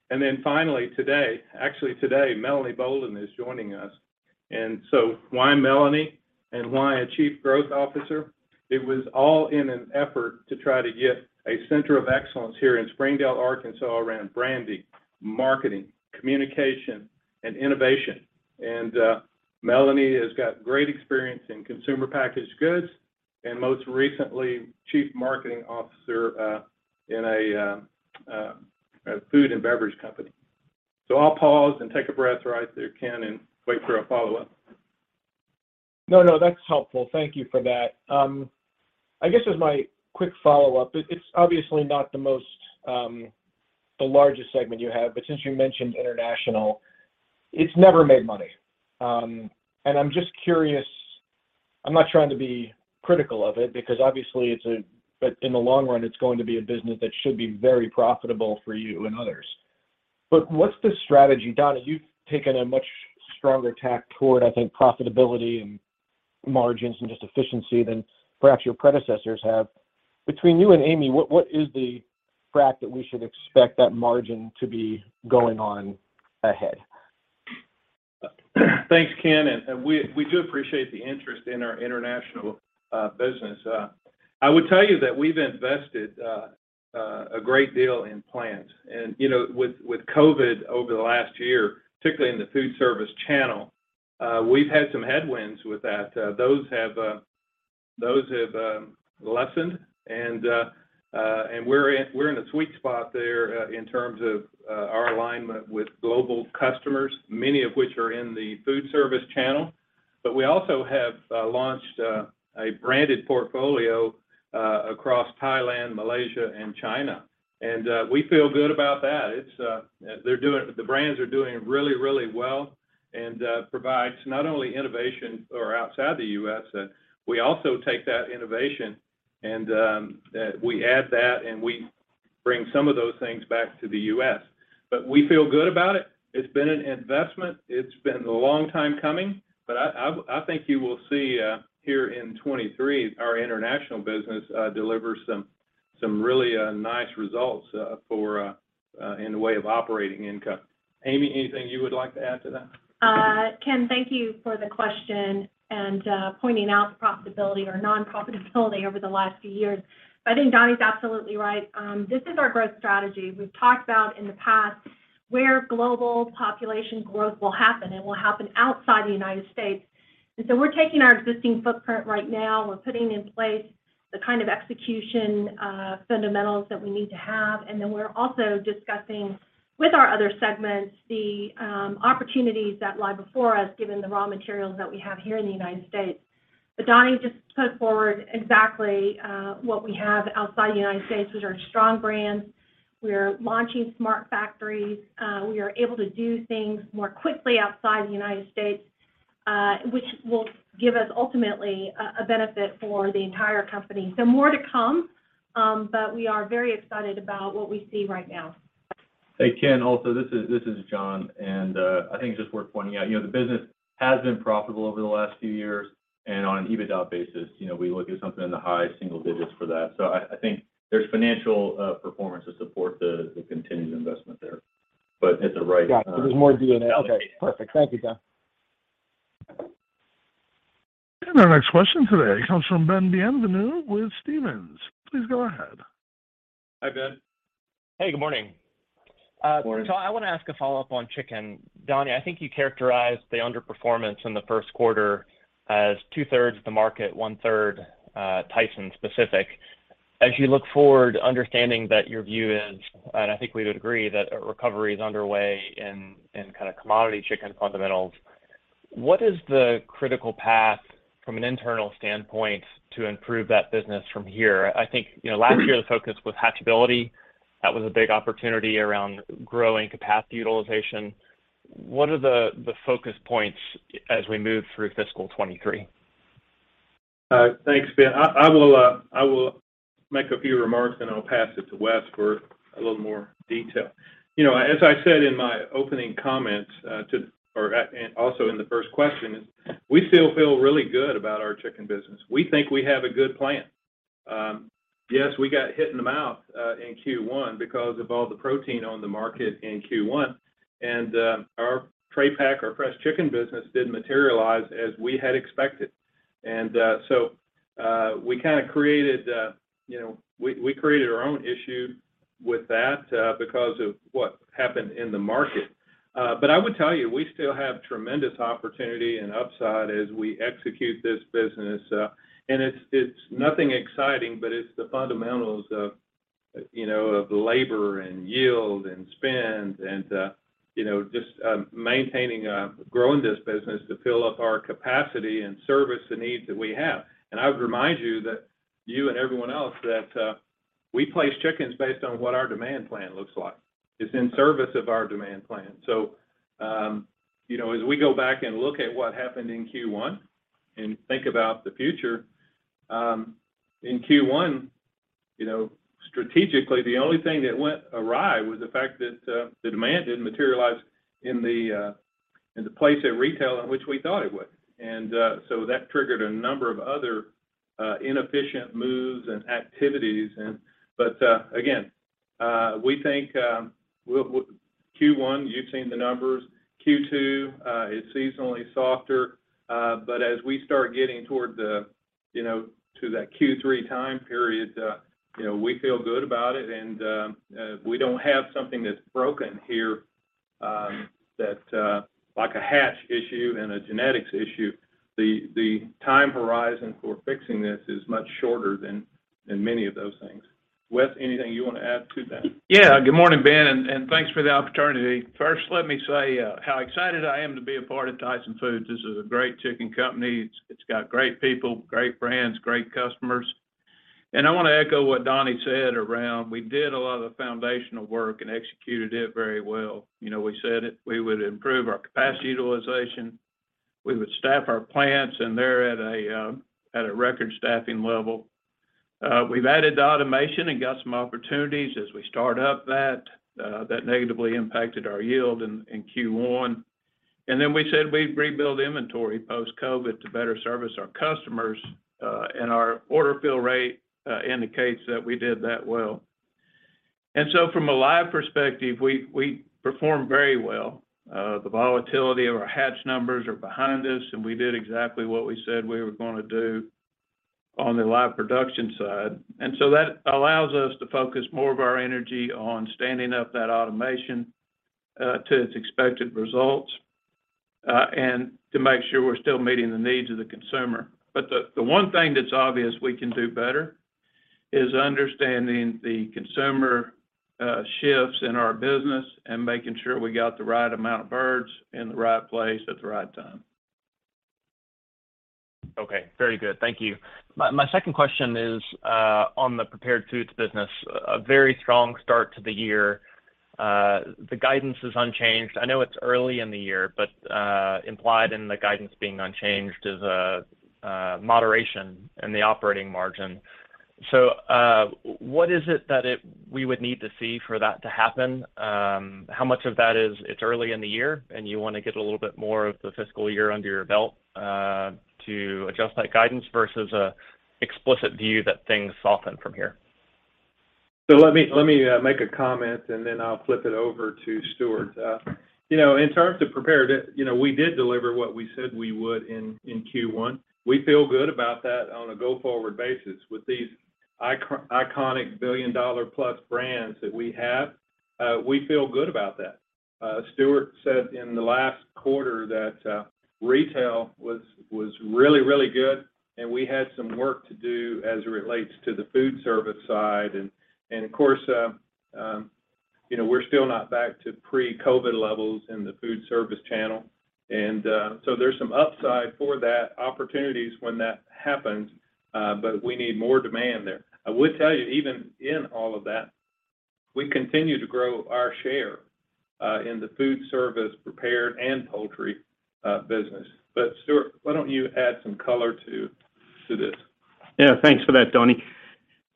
Then finally, today, actually today, Melanie Boulden is joining us. So why Melanie, and why a Chief Growth Officer? It was all in an effort to try to get a center of excellence here in Springdale, Arkansas, around branding, marketing, communication, and innovation. Melanie has got great experience in consumer packaged goods and most recently, chief marketing officer, in a food and beverage company. I'll pause and take a breath right there, Ken, and wait for a follow-up. No, no, that's helpful. Thank you for that. I guess as my quick follow-up, it's obviously not the most, the largest segment you have, but since you mentioned international, it's never made money. I'm just curious, I'm not trying to be critical of it because obviously in the long run, it's going to be a business that should be very profitable for you and others. What's the strategy? Donnie, you've taken a much stronger tack toward, I think, profitability and margins and just efficiency than perhaps your predecessors have. Between you and Amy, what is the fact that we should expect that margin to be going on ahead? Thanks, Ken, and we do appreciate the interest in our international business. I would tell you that we've invested a great deal in plant. You know, with COVID over the last year, particularly in the food service channel, we've had some headwinds with that. Those have lessened and we're in a sweet spot there, in terms of our alignment with global customers, many of which are in the food service channel. We also have launched a branded portfolio across Thailand, Malaysia, and China. We feel good about that. It's, the brands are doing really, really well and provides not only innovation or outside the U.S., we also take that innovation and we add that and we bring some of those things back to the U.S. We feel good about it. It's been an investment. It's been a long time coming, I think you will see here in 23, our international business deliver some really nice results for in the way of operating income. Amy, anything you would like to add to that? Ken, thank you for the question and pointing out the profitability or non-profitability over the last few years. I think Donnie's absolutely right. This is our growth strategy. We've talked about in the past where global population growth will happen. It will happen outside the United States. We're taking our existing footprint right now. We're putting in place the kind of execution fundamentals that we need to have. We're also discussing with our other segments the opportunities that lie before us, given the raw materials that we have here in the United States. Donnie just put forward exactly what we have outside the United States, which are strong brands. We're launching smart factories. We are able to do things more quickly outside the United States, which will give us ultimately a benefit for the entire company. More to come. We are very excited about what we see right now. Hey, Ken, also, this is John. I think it's just worth pointing out, you know, the business has been profitable over the last few years and on an EBITDA basis, you know, we look at something in the high single digits for that. I think there's financial performance to support the continued investment there. At the right time. Got it. There's more DNA. Okay, perfect. Thank you, John. Our next question today comes from Ben Bienvenu with Stephens. Please go ahead. Hi, Ben. Hey, good morning. Good morning. I want to ask a follow-up on chicken. Donnie, I think you characterized the underperformance in the first quarter as 2/3 the market, 1/3, Tyson specific. As you look forward, understanding that your view is, and I think we would agree, that a recovery is underway in kind of commodity chicken fundamentals, what is the critical path from an internal standpoint to improve that business from here? I think, you know, last year the focus was hatchability. That was a big opportunity around growing capacity utilization. What are the focus points as we move through fiscal 2023? Thanks, Ben. I will make a few remarks, and then I'll pass it to Wes Morris for a little more detail. You know, as I said in my opening comments, and also in the first question is we still feel really good about our chicken business. We think we have a good plan. Yes, we got hit in the mouth in Q1 because of all the protein on the market in Q1. Our tray pack, our fresh chicken business didn't materialize as we had expected. We kind of created, you know, we created our own issue with that because of what happened in the market. I would tell you, we still have tremendous opportunity and upside as we execute this business. It's, it's nothing exciting, but it's the fundamentals of, you know, of labor and yield and spend and, you know, just maintaining, growing this business to fill up our capacity and service the needs that we have. I would remind you that you and everyone else that we place chickens based on what our demand plan looks like. It's in service of our demand plan. You know, as we go back and look at what happened in Q1 and think about the future, in Q1, you know, strategically the only thing that went awry was the fact that the demand didn't materialize in the, in the place at retail at which we thought it would. So that triggered a number of other, inefficient moves and activities and... Again, we think Q1, you've seen the numbers. Q2 is seasonally softer. As we start getting toward the, you know, to that Q3 time period, you know, we feel good about it and if we don't have something that's broken here, that like a hatch issue and a genetics issue, the time horizon for fixing this is much shorter than many of those things. Wes, anything you want to add to that? Good morning, Ben, and thanks for the opportunity. First, let me say how excited I am to be a part of Tyson Foods. This is a great chicken company. It's got great people, great brands, great customers. I want to echo what Donnie said around we did a lot of the foundational work and executed it very well. You know, we said it, we would improve our capacity utilization, we would staff our plants, and they're at a record staffing level. We've added the automation and got some opportunities as we start up that negatively impacted our yield in Q1. We said we'd rebuild inventory post-COVID to better service our customers, and our order fill rate indicates that we did that well. From a live perspective, we performed very well. The volatility of our hatch numbers are behind us, and we did exactly what we said we were gonna do on the live production side. That allows us to focus more of our energy on standing up that automation to its expected results and to make sure we're still meeting the needs of the consumer. The one thing that's obvious we can do better is understanding the consumer shifts in our business and making sure we got the right amount of birds in the right place at the right time. Okay. Very good. Thank you. My second question is on the Prepared Foods business. A very strong start to the year. The guidance is unchanged. I know it's early in the year, but implied in the guidance being unchanged is a moderation in the operating margin. What is it that we would need to see for that to happen? How much of that is it's early in the year, and you want to get a little bit more of the fiscal year under your belt to adjust that guidance versus a explicit view that things soften from here? Let me make a comment. Then I'll flip it over to Stewart. You know, in terms of prepared, you know, we did deliver what we said we would in Q1. We feel good about that on a go-forward basis with these iconic billion-dollar plus brands that we have. We feel good about that. Stewart said in the last quarter that retail was really, really good, and we had some work to do as it relates to the food service side. Of course, you know, we're still not back to pre-COVID levels in the food service channel. There's some upside for that, opportunities when that happens, but we need more demand there. I would tell you, even in all of that, we continue to grow our share, in the food service, prepared and poultry, business. Stuart, why don't you add some color to this? Thanks for that, Donnie.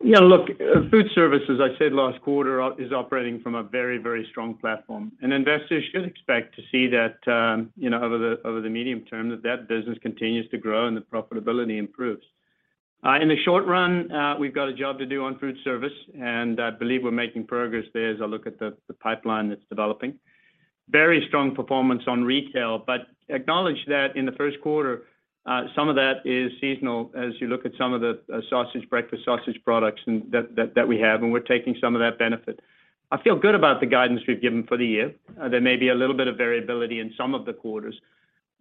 Look, food service, as I said last quarter, is operating from a very, very strong platform, and investors should expect to see that, you know, over the, over the medium term, that that business continues to grow and the profitability improves. In the short run, we've got a job to do on food service, and I believe we're making progress there as I look at the pipeline that's developing. Very strong performance on retail. Acknowledge that in the first quarter, some of that is seasonal as you look at some of the, sausage, breakfast sausage products and that we have, and we're taking some of that benefit. I feel good about the guidance we've given for the year. There may be a little bit of variability in some of the quarters.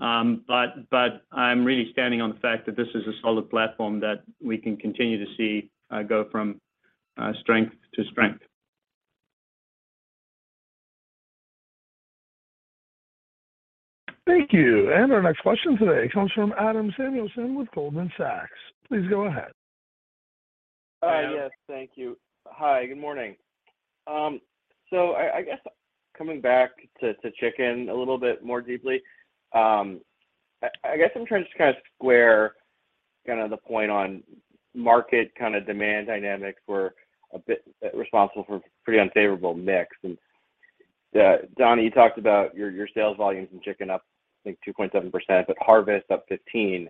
I'm really standing on the fact that this is a solid platform that we can continue to see, go from, strength to strength. Thank you. Our next question today comes from Adam Samuelson with Goldman Sachs. Please go ahead. Adam? Hi. Yes, thank you. Hi, good morning. I guess coming back to chicken a little bit more deeply, I guess I'm trying to just square the point on market demand dynamics were a bit responsible for pretty unfavorable mix. Donnie, you talked about your sales volumes in chicken up, I think 2.7%, but harvest up 15%.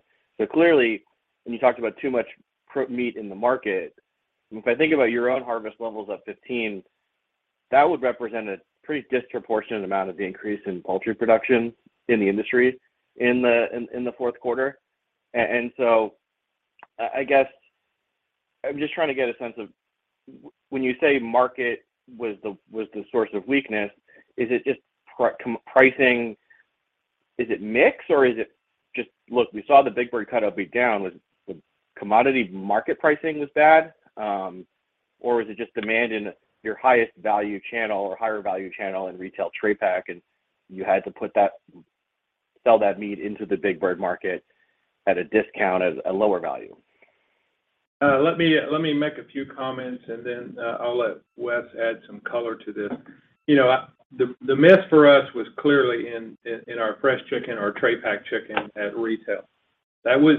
Clearly when you talked about too much prep meat in the market, if I think about your own harvest levels up 15%, that would represent a pretty disproportionate amount of the increase in poultry production in the industry in the fourth quarter. I guess I'm just trying to get a sense of when you say market was the source of weakness, is it just pricing? Is it mix, or is it just, look, we saw the big bird cut OB down, was the commodity market pricing was bad, or was it just demand in your highest value channel or higher value channel in retail tray pack, and you had to sell that meat into the big bird market at a discount at a lower value? Let me make a few comments, and then I'll let Wes add some color to this. You know, the miss for us was clearly in our fresh chicken, our tray pack chicken at retail. That was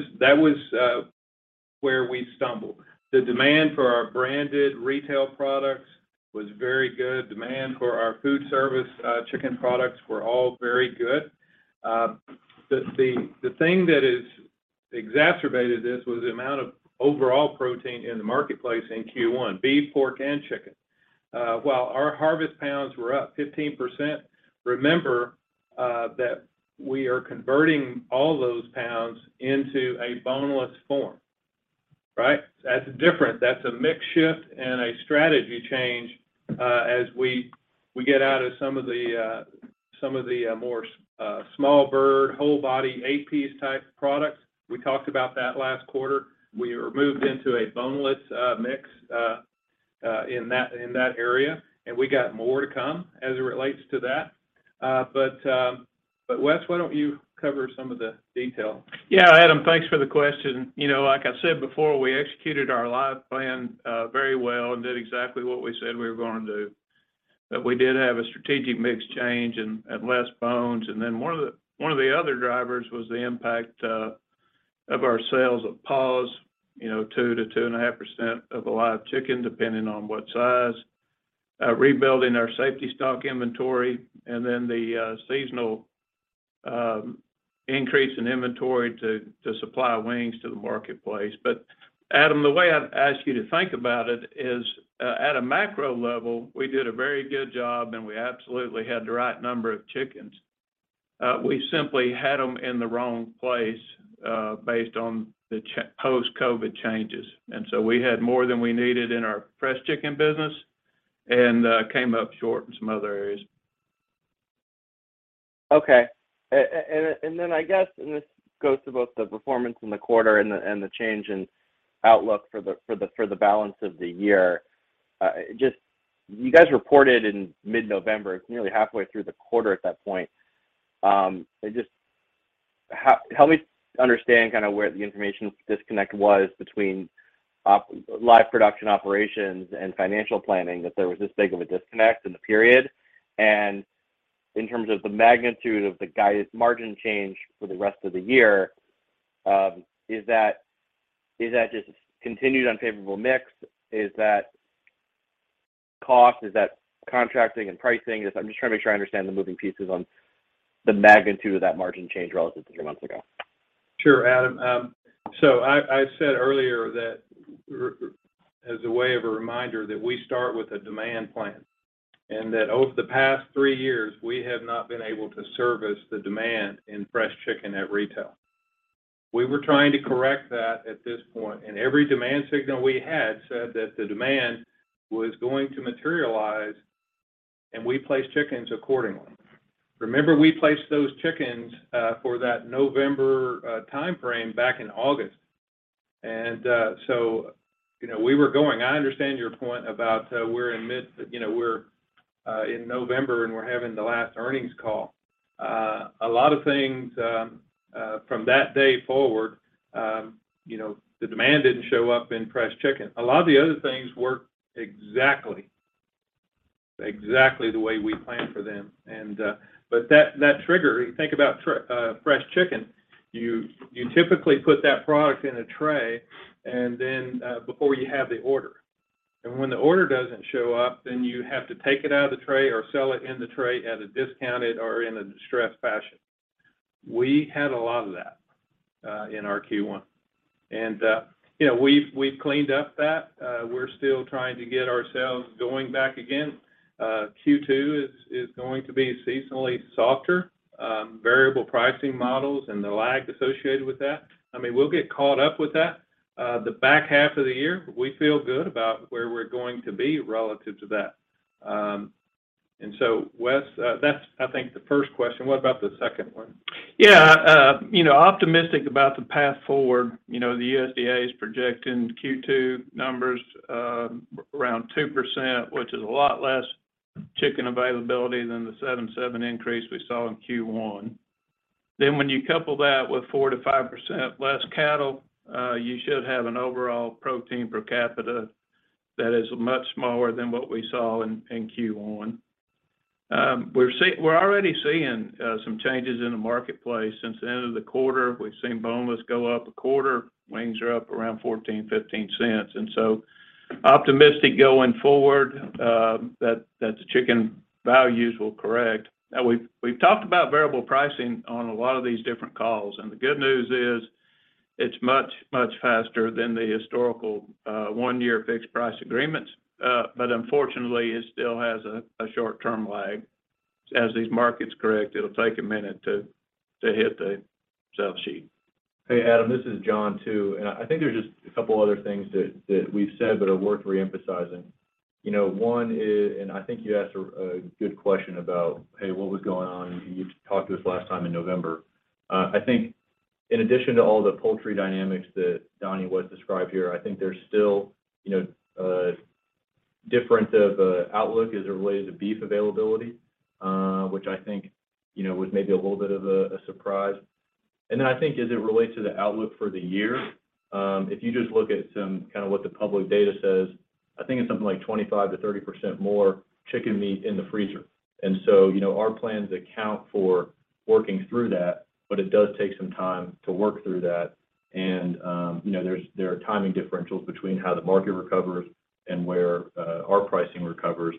where we stumbled. The demand for our branded retail products was very good. Demand for our food service chicken products were all very good. The thing that has exacerbated this was the amount of overall protein in the marketplace in Q1, beef, pork and chicken. While our harvest pounds were up 15%, remember that we are converting all those pounds into a boneless form, right? That's different, that's a mix shift and a strategy change, as we get out of some of the more small bird, whole body, eight piece type products. We talked about that last quarter. We have moved into a boneless mix in that area, and we got more to come as it relates to that. Wes, why don't you cover some of the detail? Yeah, Adam, thanks for the question. You know, like I said before, we executed our live plan very well and did exactly what we said we were going to do. We did have a strategic mix change and less bones, and then one of the other drivers was the impact of our sales of paws, you know, 2%-2.5% of a live chicken, depending on what size, rebuilding our safety stock inventory and then the seasonal increase in inventory to supply wings to the marketplace. Adam, the way I'd ask you to think about it is at a macro level, we did a very good job, and we absolutely had the right number of chickens. We simply had them in the wrong place, based on the post Covid changes. We had more than we needed in our fresh chicken business and came up short in some other areas. Okay. Then I guess, this goes to both the performance in the quarter and the change in outlook for the balance of the year. Just you guys reported in mid-November, it's nearly halfway through the quarter at that point. I just help me understand kind of where the information disconnect was between live production operations and financial planning, that there was this big of a disconnect in the period. In terms of the magnitude of the guided margin change for the rest of the year, is that just continued unfavorable mix? Is that cost? Is that contracting and pricing? I'm just trying to make sure I understand the moving pieces on the magnitude of that margin change relative to three months ago. Sure, Adam. I said earlier that as a way of a reminder that we start with a demand plan, and that over the past three years, we have not been able to service the demand in fresh chicken at retail. We were trying to correct that at this point, every demand signal we had said that the demand was going to materialize, and we placed chickens accordingly. Remember, we placed those chickens for that November timeframe back in August. You know, we were going. I understand your point about, we're in mid, you know, we're in November, and we're having the last earnings call. A lot of things from that day forward, you know, the demand didn't show up in fresh chicken. A lot of the other things worked exactly the way we planned for them. But that trigger, think about fresh chicken. You typically put that product in a tray, then before you have the order, when the order doesn't show up, then you have to take it out of the tray or sell it in the tray at a discounted or in a distressed fashion. We had a lot of that in our Q1. You know, we've cleaned up that. We're still trying to get ourselves going back again. Q2 is going to be seasonally softer, variable pricing models and the lag associated with that. I mean, we'll get caught up with that. The back half of the year, we feel good about where we're going to be relative to that. Wes, that's I think the first question. What about the second one? You know, optimistic about the path forward. You know, the USDA is projecting Q2 numbers, around 2%, which is a lot less chicken availability than the 7% increase we saw in Q1. When you couple that with 4%-5% less cattle, you should have an overall protein per capita that is much smaller than what we saw in Q1. We're already seeing some changes in the marketplace since the end of the quarter. We've seen boneless go up a quarter. Wings are up around 0.14-0.15, optimistic going forward that the chicken values will correct. We've talked about variable pricing on a lot of these different calls, and the good news is it's much, much faster than the historical one-year fixed price agreements. unfortunately, it still has a short-term lag. As these markets correct, it'll take a minute to hit the sales sheet. Hey, Adam, this is John R. Tyson, and I think there's just a couple other things that we've said, but are worth re-emphasizing. You know, one is, and I think you asked a good question about, hey, what was going on? You talked to us last time in November. I think in addition to all the poultry dynamics that Donnie, Wes described here, I think there's still, you know, Different of outlook as it relates to beef availability, which I think, you know, was maybe a little bit of a surprise. I think as it relates to the outlook for the year, if you just look at some kind of what the public data says, I think it's something like 25%-30% more chicken meat in the freezer. You know, our plans account for working through that, but it does take some time to work through that and, you know, there are timing differentials between how the market recovers and where our pricing recovers.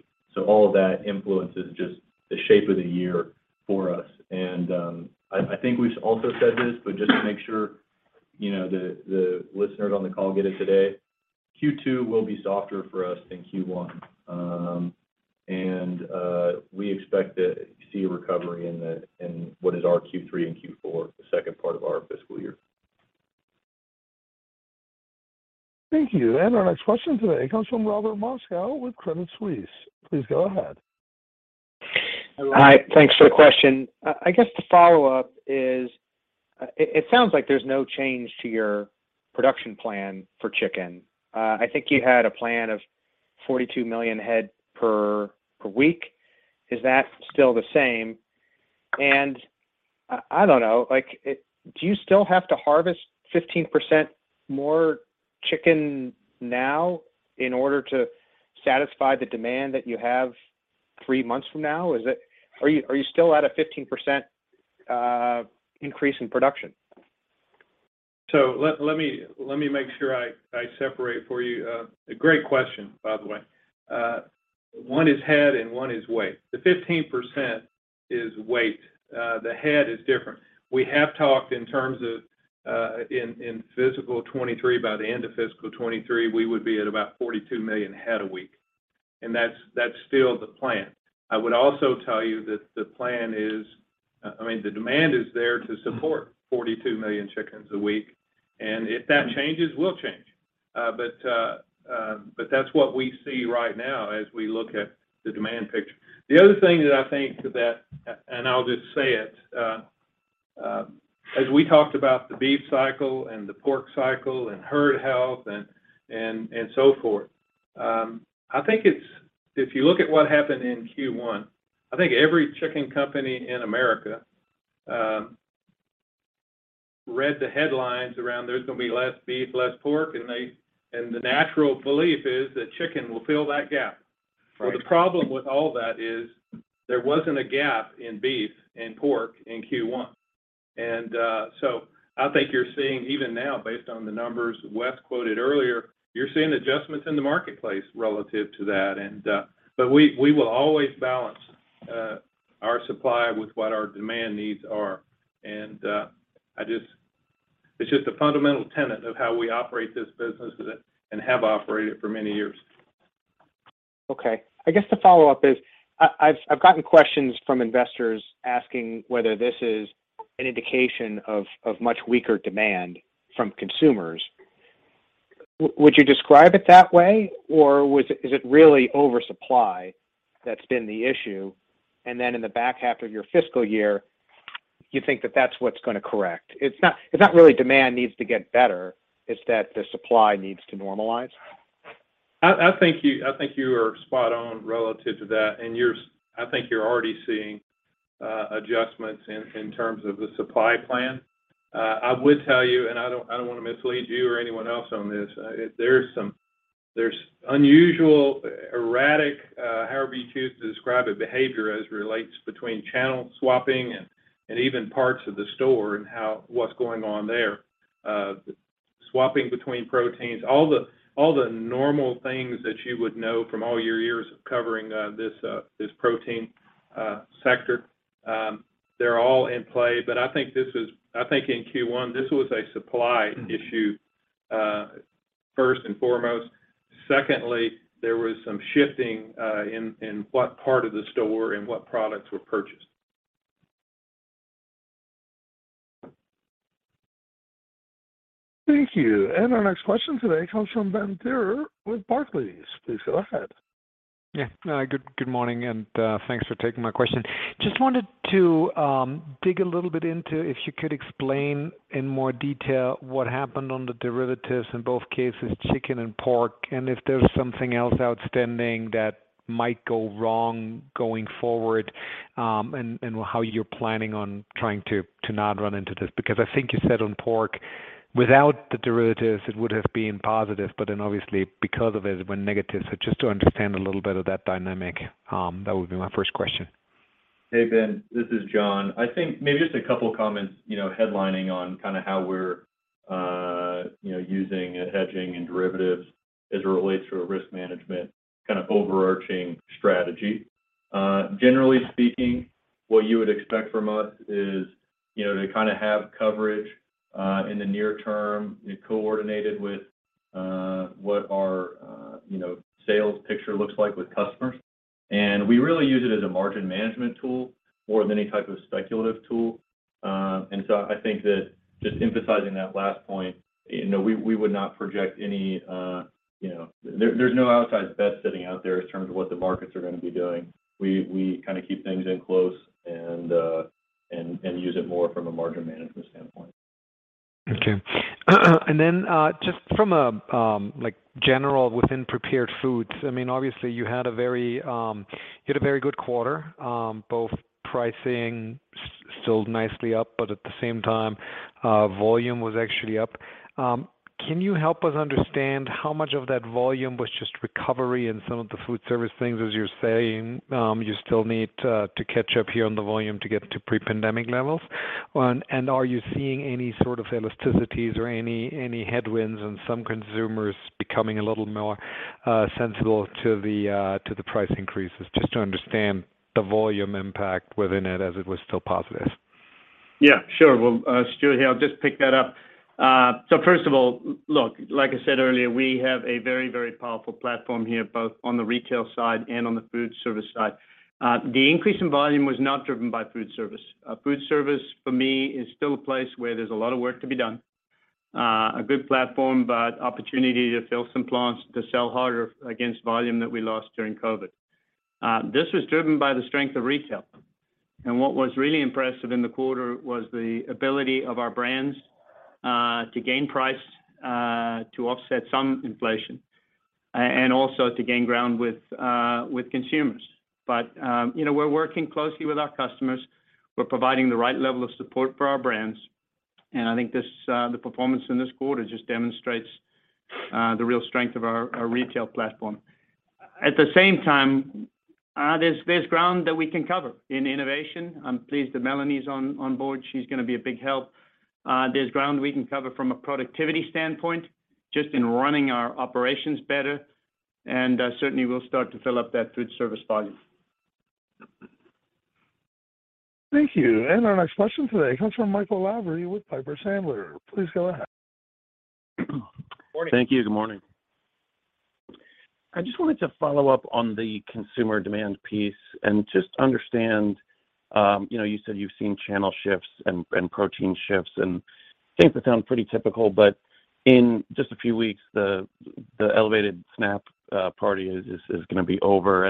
All of that influences just the shape of the year for us. I think we've also said this, but just to make sure, you know, the listeners on the call get it today, Q2 will be softer for us than Q1. And we expect to see a recovery in what is our Q3 and Q4, the second part of our fiscal year. Thank you. Our next question today comes from Robert Moskow with Credit Suisse. Please go ahead. Hi. Thanks for the question. I guess to follow up is, it sounds like there's no change to your production plan for chicken. I think you had a plan of 42 million head per week. Is that still the same? I don't know, like, it... Do you still have to harvest 15% more chicken now in order to satisfy the demand that you have three months from now? Are you still at a 15% increase in production? Let me make sure I separate for you. A great question, by the way. One is head and one is weight. The 15% is weight. The head is different. We have talked in terms of fiscal 2023, by the end of fiscal 2023, we would be at about 42 million head a week, and that's still the plan. I would also tell you that the plan is, I mean the demand is there to support 42 million chickens a week, and if that changes, we'll change. That's what we see right now as we look at the demand picture. The other thing that I think that, I'll just say it, as we talked about the beef cycle and the pork cycle and herd health and so forth, if you look at what happened in Q1, I think every chicken company in America read the headlines around there's gonna be less beef, less pork, and the natural belief is that chicken will fill that gap. Right. Well, the problem with all that is there wasn't a gap in beef and pork in Q1. I think you're seeing even now, based on the numbers Wes quoted earlier, you're seeing adjustments in the marketplace relative to that. We will always balance our supply with what our demand needs are. It's just a fundamental tenet of how we operate this business and have operated for many years. Okay. I guess the follow-up is I've gotten questions from investors asking whether this is an indication of much weaker demand from consumers. Would you describe it that way, or was it really oversupply that's been the issue, and then in the back half of your fiscal year, you think that that's what's gonna correct, it's not really demand needs to get better, it's that the supply needs to normalize? I think you are spot on relative to that, and I think you're already seeing adjustments in terms of the supply plan. I would tell you, and I don't wanna mislead you or anyone else on this, there's unusual, erratic, however you choose to describe it, behavior as relates between channel swapping and even parts of the store and what's going on there. Swapping between proteins. All the normal things that you would know from all your years of covering this protein sector, they're all in play. I think in Q1, this was a supply issue. Mm-hmm first and foremost. Secondly, there was some shifting, in what part of the store and what products were purchased. Thank you. Our next question today comes from Benjamin Theurer with Barclays. Please go ahead. Yeah. Good morning, thanks for taking my question. Just wanted to dig a little bit into if you could explain in more detail what happened on the derivatives in both cases, chicken and pork, and if there's something else outstanding that might go wrong going forward, and how you're planning on trying to not run into this. I think you said on pork, without the derivatives, it would have been positive, but then obviously because of it went negative. Just to understand a little bit of that dynamic, that would be my first question. Hey, Ben, this is John. I think maybe just a couple comments, you know, headlining on kind of how we're, you know, using hedging and derivatives as it relates to a risk management kind of overarching strategy. Generally speaking, what you would expect from us is, you know, to kind of have coverage in the near term coordinated with what our, you know, sales picture looks like with customers. We really use it as a margin management tool more than any type of speculative tool. I think that just emphasizing that last point, you know, we would not project any. There's no outside bet sitting out there in terms of what the markets are gonna be doing. We kind of keep things in close and use it more from a margin management standpoint. Okay. Just from a, like general within prepared foods, I mean, obviously you had a very, you had a very good quarter. Both pricing still nicely up, but at the same time, volume was actually up. Can you help us understand how much of that volume was just recovery in some of the food service things, as you're saying, you still need to catch up here on the volume to get to pre-pandemic levels? Are you seeing any sort of elasticities or any headwinds on some consumers becoming a little more sensible to the price increases? Just to understand the volume impact within it as it was still positive. Yeah, sure. Well, Stuart here, I'll just pick that up. So first of all, look, like I said earlier, we have a very, very powerful platform here, both on the retail side and on the food service side. The increase in volume was not driven by food service. Food service for me is still a place where there's a lot of work to be done. A good platform, but opportunity to fill some plants to sell harder against volume that we lost during COVID. This was driven by the strength of retail. What was really impressive in the quarter was the ability of our brands, to gain price, to offset some inflation, and also to gain ground with consumers. You know, we're working closely with our customers. We're providing the right level of support for our brands. I think this, the performance in this quarter just demonstrates, the real strength of our retail platform. At the same time, there's ground that we can cover in innovation. I'm pleased that Melanie's on board. She's gonna be a big help. There's ground we can cover from a productivity standpoint, just in running our operations better. Certainly we'll start to fill up that food service volume. Thank you. Our next question today comes from Michael Lavery with Piper Sandler. Please go ahead. Morning. Thank you. Good morning. I just wanted to follow up on the consumer demand piece and just understand, you know, you said you've seen channel shifts and protein shifts, and things that sound pretty typical. In just a few weeks, the elevated SNAP party is gonna be over.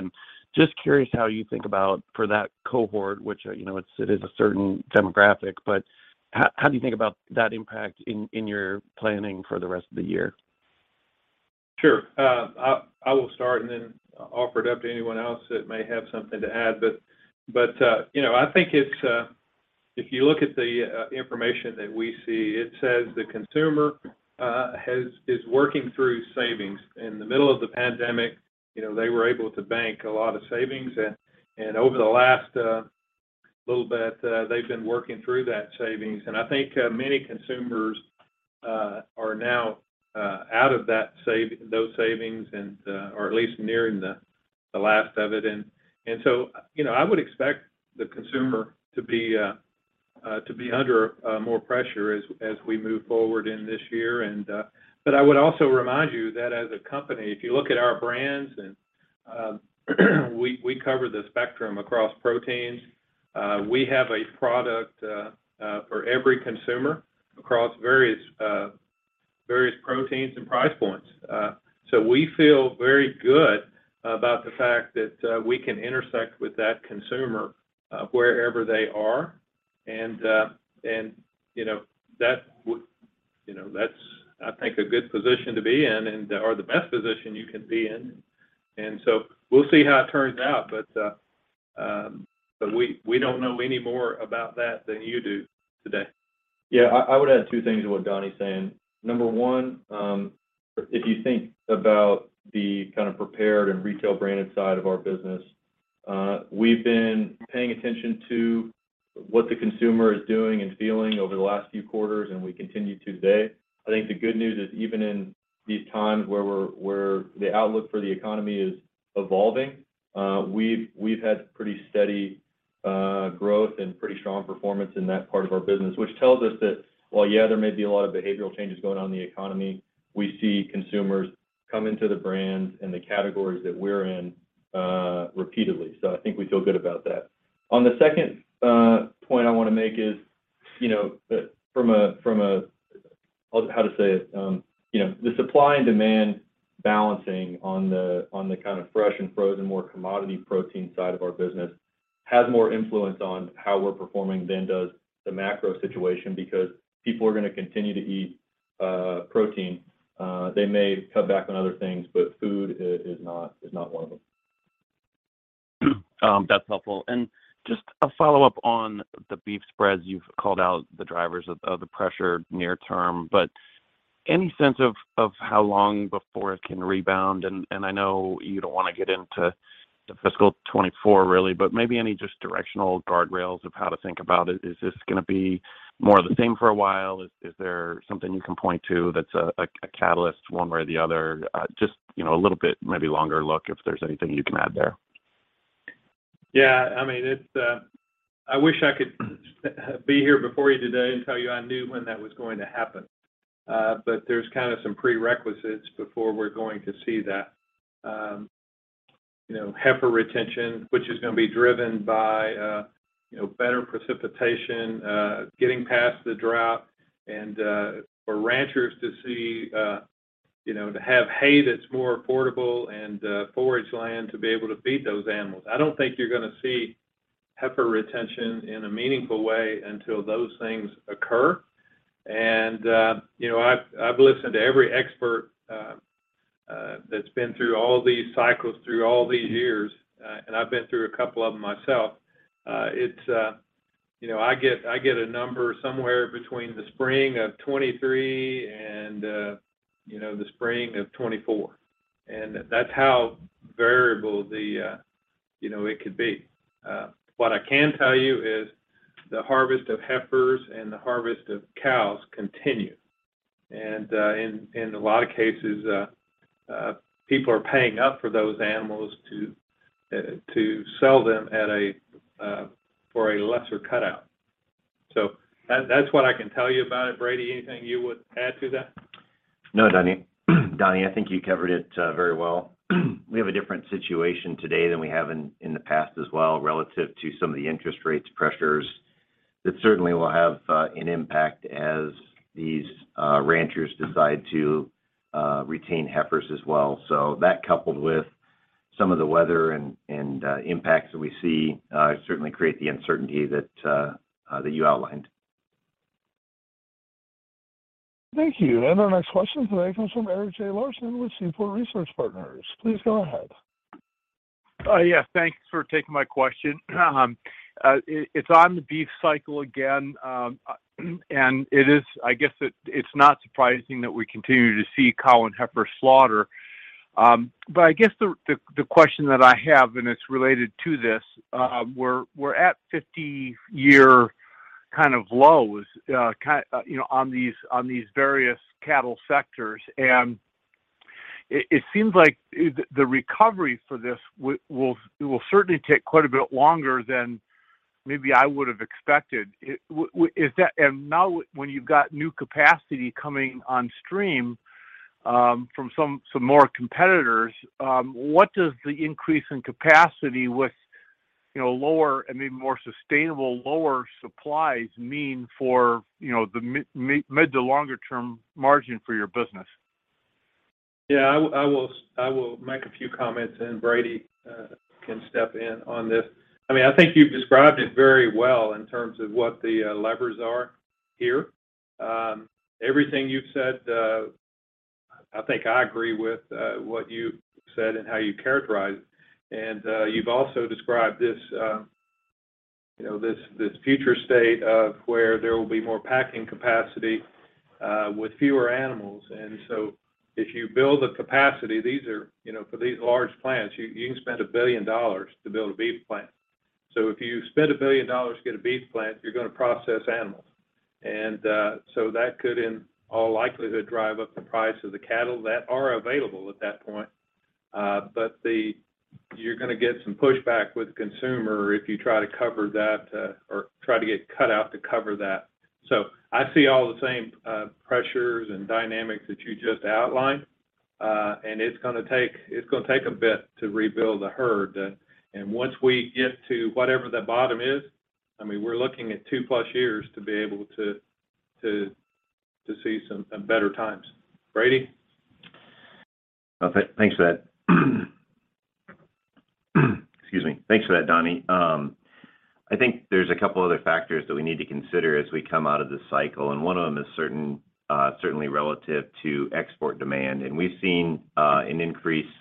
Just curious how you think about for that cohort, which, you know, it's, it is a certain demographic, but how do you think about that impact in your planning for the rest of the year? Sure. I will start and then offer it up to anyone else that may have something to add. You know, I think it's if you look at the information that we see, it says the consumer is working through savings. In the middle of the pandemic, you know, they were able to bank a lot of savings and over the last little bit, they've been working through that savings. I think many consumers are now out of those savings or at least nearing the last of it. You know, I would expect the consumer to be under more pressure as we move forward in this year. I would also remind you that as a company, if you look at our brands and we cover the spectrum across proteins. We have a product for every consumer across various proteins and price points. We feel very good about the fact that we can intersect with that consumer wherever they are. And, you know, that's I think a good position to be in and/or the best position you can be in. We'll see how it turns out. We don't know any more about that than you do today. I would add two things to what Donnie's saying. Number one, if you think about the kind of prepared and retail branded side of our business, we've been paying attention to what the consumer is doing and feeling over the last few quarters, and we continue today. I think the good news is, even in these times where the outlook for the economy is evolving, we've had pretty steady growth and pretty strong performance in that part of our business, which tells us that while, yeah, there may be a lot of behavioral changes going on in the economy, we see consumers come into the brands and the categories that we're in, repeatedly. I think we feel good about that. On the second point I wanna make is, you know, from a How to say it? You know, the supply and demand balancing on the, on the kind of fresh and frozen, more commodity protein side of our business has more influence on how we're performing than does the macro situation because people are gonna continue to eat protein. They may cut back on other things, food is not one of them. That's helpful. Just a follow-up on the beef spreads. You've called out the drivers of the pressure near term, but any sense of how long before it can rebound? I know you don't wanna get into the fiscal 2024, really, but maybe any just directional guardrails of how to think about it. Is this gonna be more of the same for a while? Is there something you can point to that's a catalyst one way or the other? Just, you know, a little bit, maybe longer look if there's anything you can add there. Yeah. I mean, it's, I wish I could be here before you today and tell you I knew when that was going to happen. But there's kind of some prerequisites before we're going to see that. You know, heifer retention, which is gonna be driven by, you know, better precipitation, getting past the drought and, for ranchers to see, you know, to have hay that's more affordable and, forage land to be able to feed those animals. I don't think you're gonna see heifer retention in a meaningful way until those things occur. You know, I've listened to every expert that's been through all these cycles through all these years, and I've been through a couple of them myself. It's, you know, I get a number somewhere between the spring of 2023 and, you know, the spring of 2024, and that's how variable the, you know, it could be. What I can tell you is the harvest of heifers and the harvest of cows continues. In a lot of cases, people are paying up for those animals to sell them at a for a lesser cutout. That's what I can tell you about it. Brady, anything you would add to that? No, Donnie. Donnie, I think you covered it very well. We have a different situation today than we have in the past as well, relative to some of the interest rates pressures that certainly will have an impact as these ranchers decide to retain heifers as well. That coupled with some of the weather and impacts that we see certainly create the uncertainty that you outlined. Thank you. Our next question today comes from Erik J. Larson with Seaport Research Partners. Please go ahead. Yes, thanks for taking my question. It's on the beef cycle again. I guess it's not surprising that we continue to see cow and heifer slaughter. I guess the question that I have, and it's related to this, we're at 50-year kind of lows, you know, on these various cattle sectors. It seems like the recovery for this will certainly take quite a bit longer than maybe I would have expected. Is that? Now when you've got new capacity coming on stream from some more competitors, what does the increase in capacity with, you know, lower and maybe more sustainable lower supplies mean for, you know, the mid to longer term margin for your business? Yeah, I will make a few comments, and Brady can step in on this. I mean, I think you've described it very well in terms of what the levers are here. Everything you've said, I think I agree with what you said and how you characterize it. You've also described this, you know, this future state of where there will be more packing capacity with fewer animals. If you build the capacity, these are, you know, for these large plants, you can spend $1 billion to build a beef plant. If you spend $1 billion to get a beef plant, you're gonna process animals. That could, in all likelihood, drive up the price of the cattle that are available at that point. The... You're gonna get some pushback with consumer if you try to cover that, or try to get cutout to cover that. I see all the same, pressures and dynamics that you just outlined, and it's gonna take, it's gonna take a bit to rebuild the herd. Once we get to whatever the bottom is, I mean, we're looking at 2-plus years to be able to see some better times. Brady. Thanks for that. Excuse me. Thanks for that, Donnie. I think there's a couple other factors that we need to consider as we come out of this cycle. One of them is certain, certainly relative to export demand. We've seen an increase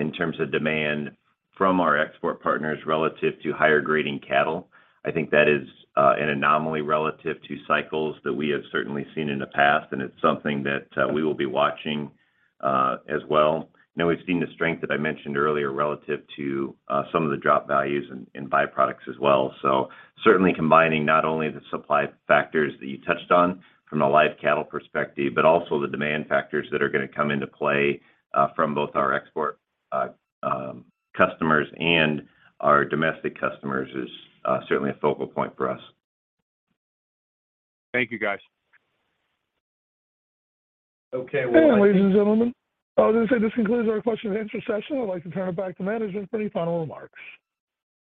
in terms of demand from our export partners relative to higher grading cattle. I think that is an anomaly relative to cycles that we have certainly seen in the past, and it's something that we will be watching as well. You know, we've seen the strength that I mentioned earlier relative to some of the drop values in byproducts as well. certainly combining not only the supply factors that you touched on from a live cattle perspective, but also the demand factors that are gonna come into play, from both our export, customers and our domestic customers is, certainly a focal point for us. Thank you, guys. Okay. Ladies and gentlemen, I'll just say this concludes our question and answer session. I'd like to turn it back to management for any final remarks.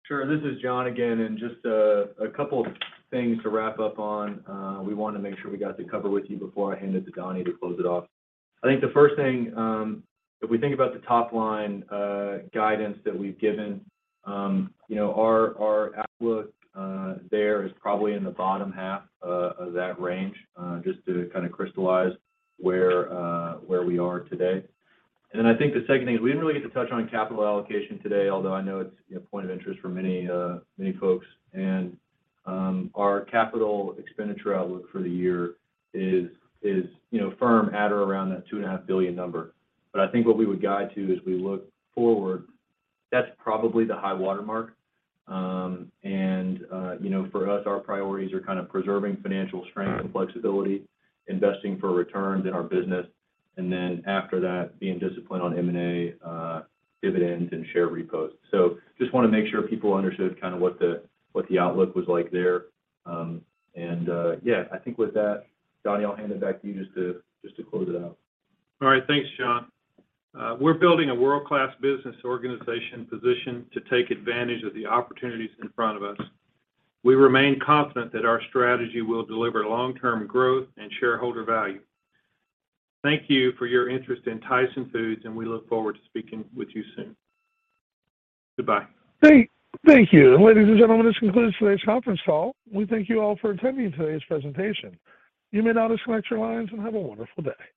Sure. This is John again. Just a couple of things to wrap up on, we want to make sure we got to cover with you before I hand it to Donnie to close it off. I think the first thing, if we think about the top-line guidance that we've given, you know, our outlook, there is probably in the bottom half of that range, just to kind of crystallize where we are today. Then I think the second thing is we didn't really get to touch on capital allocation today, although I know it's, you know, a point of interest for many folks. Our capital expenditure outlook for the year is, you know, firm at or around that 2.5 billion number. I think what I would guide to as we look forward, that's probably the high watermark. You know, for us, our priorities are kind of preserving financial strength and flexibility, investing for returns in our business, and then after that, being disciplined on M&A, dividends, and share repurchases. Just wanna make sure people understood kind of what the, what the outlook was like there. Yeah, I think with that, Donnie, I'll hand it back to you just to, just to close it out. All right. Thanks, John. We're building a world-class business organization positioned to take advantage of the opportunities in front of us. We remain confident that our strategy will deliver long-term growth and shareholder value. Thank you for your interest in Tyson Foods. We look forward to speaking with you soon. Goodbye. Thank you. Ladies and gentlemen, this concludes today's conference call. We thank you all for attending today's presentation. You may now disconnect your lines, and have a wonderful day.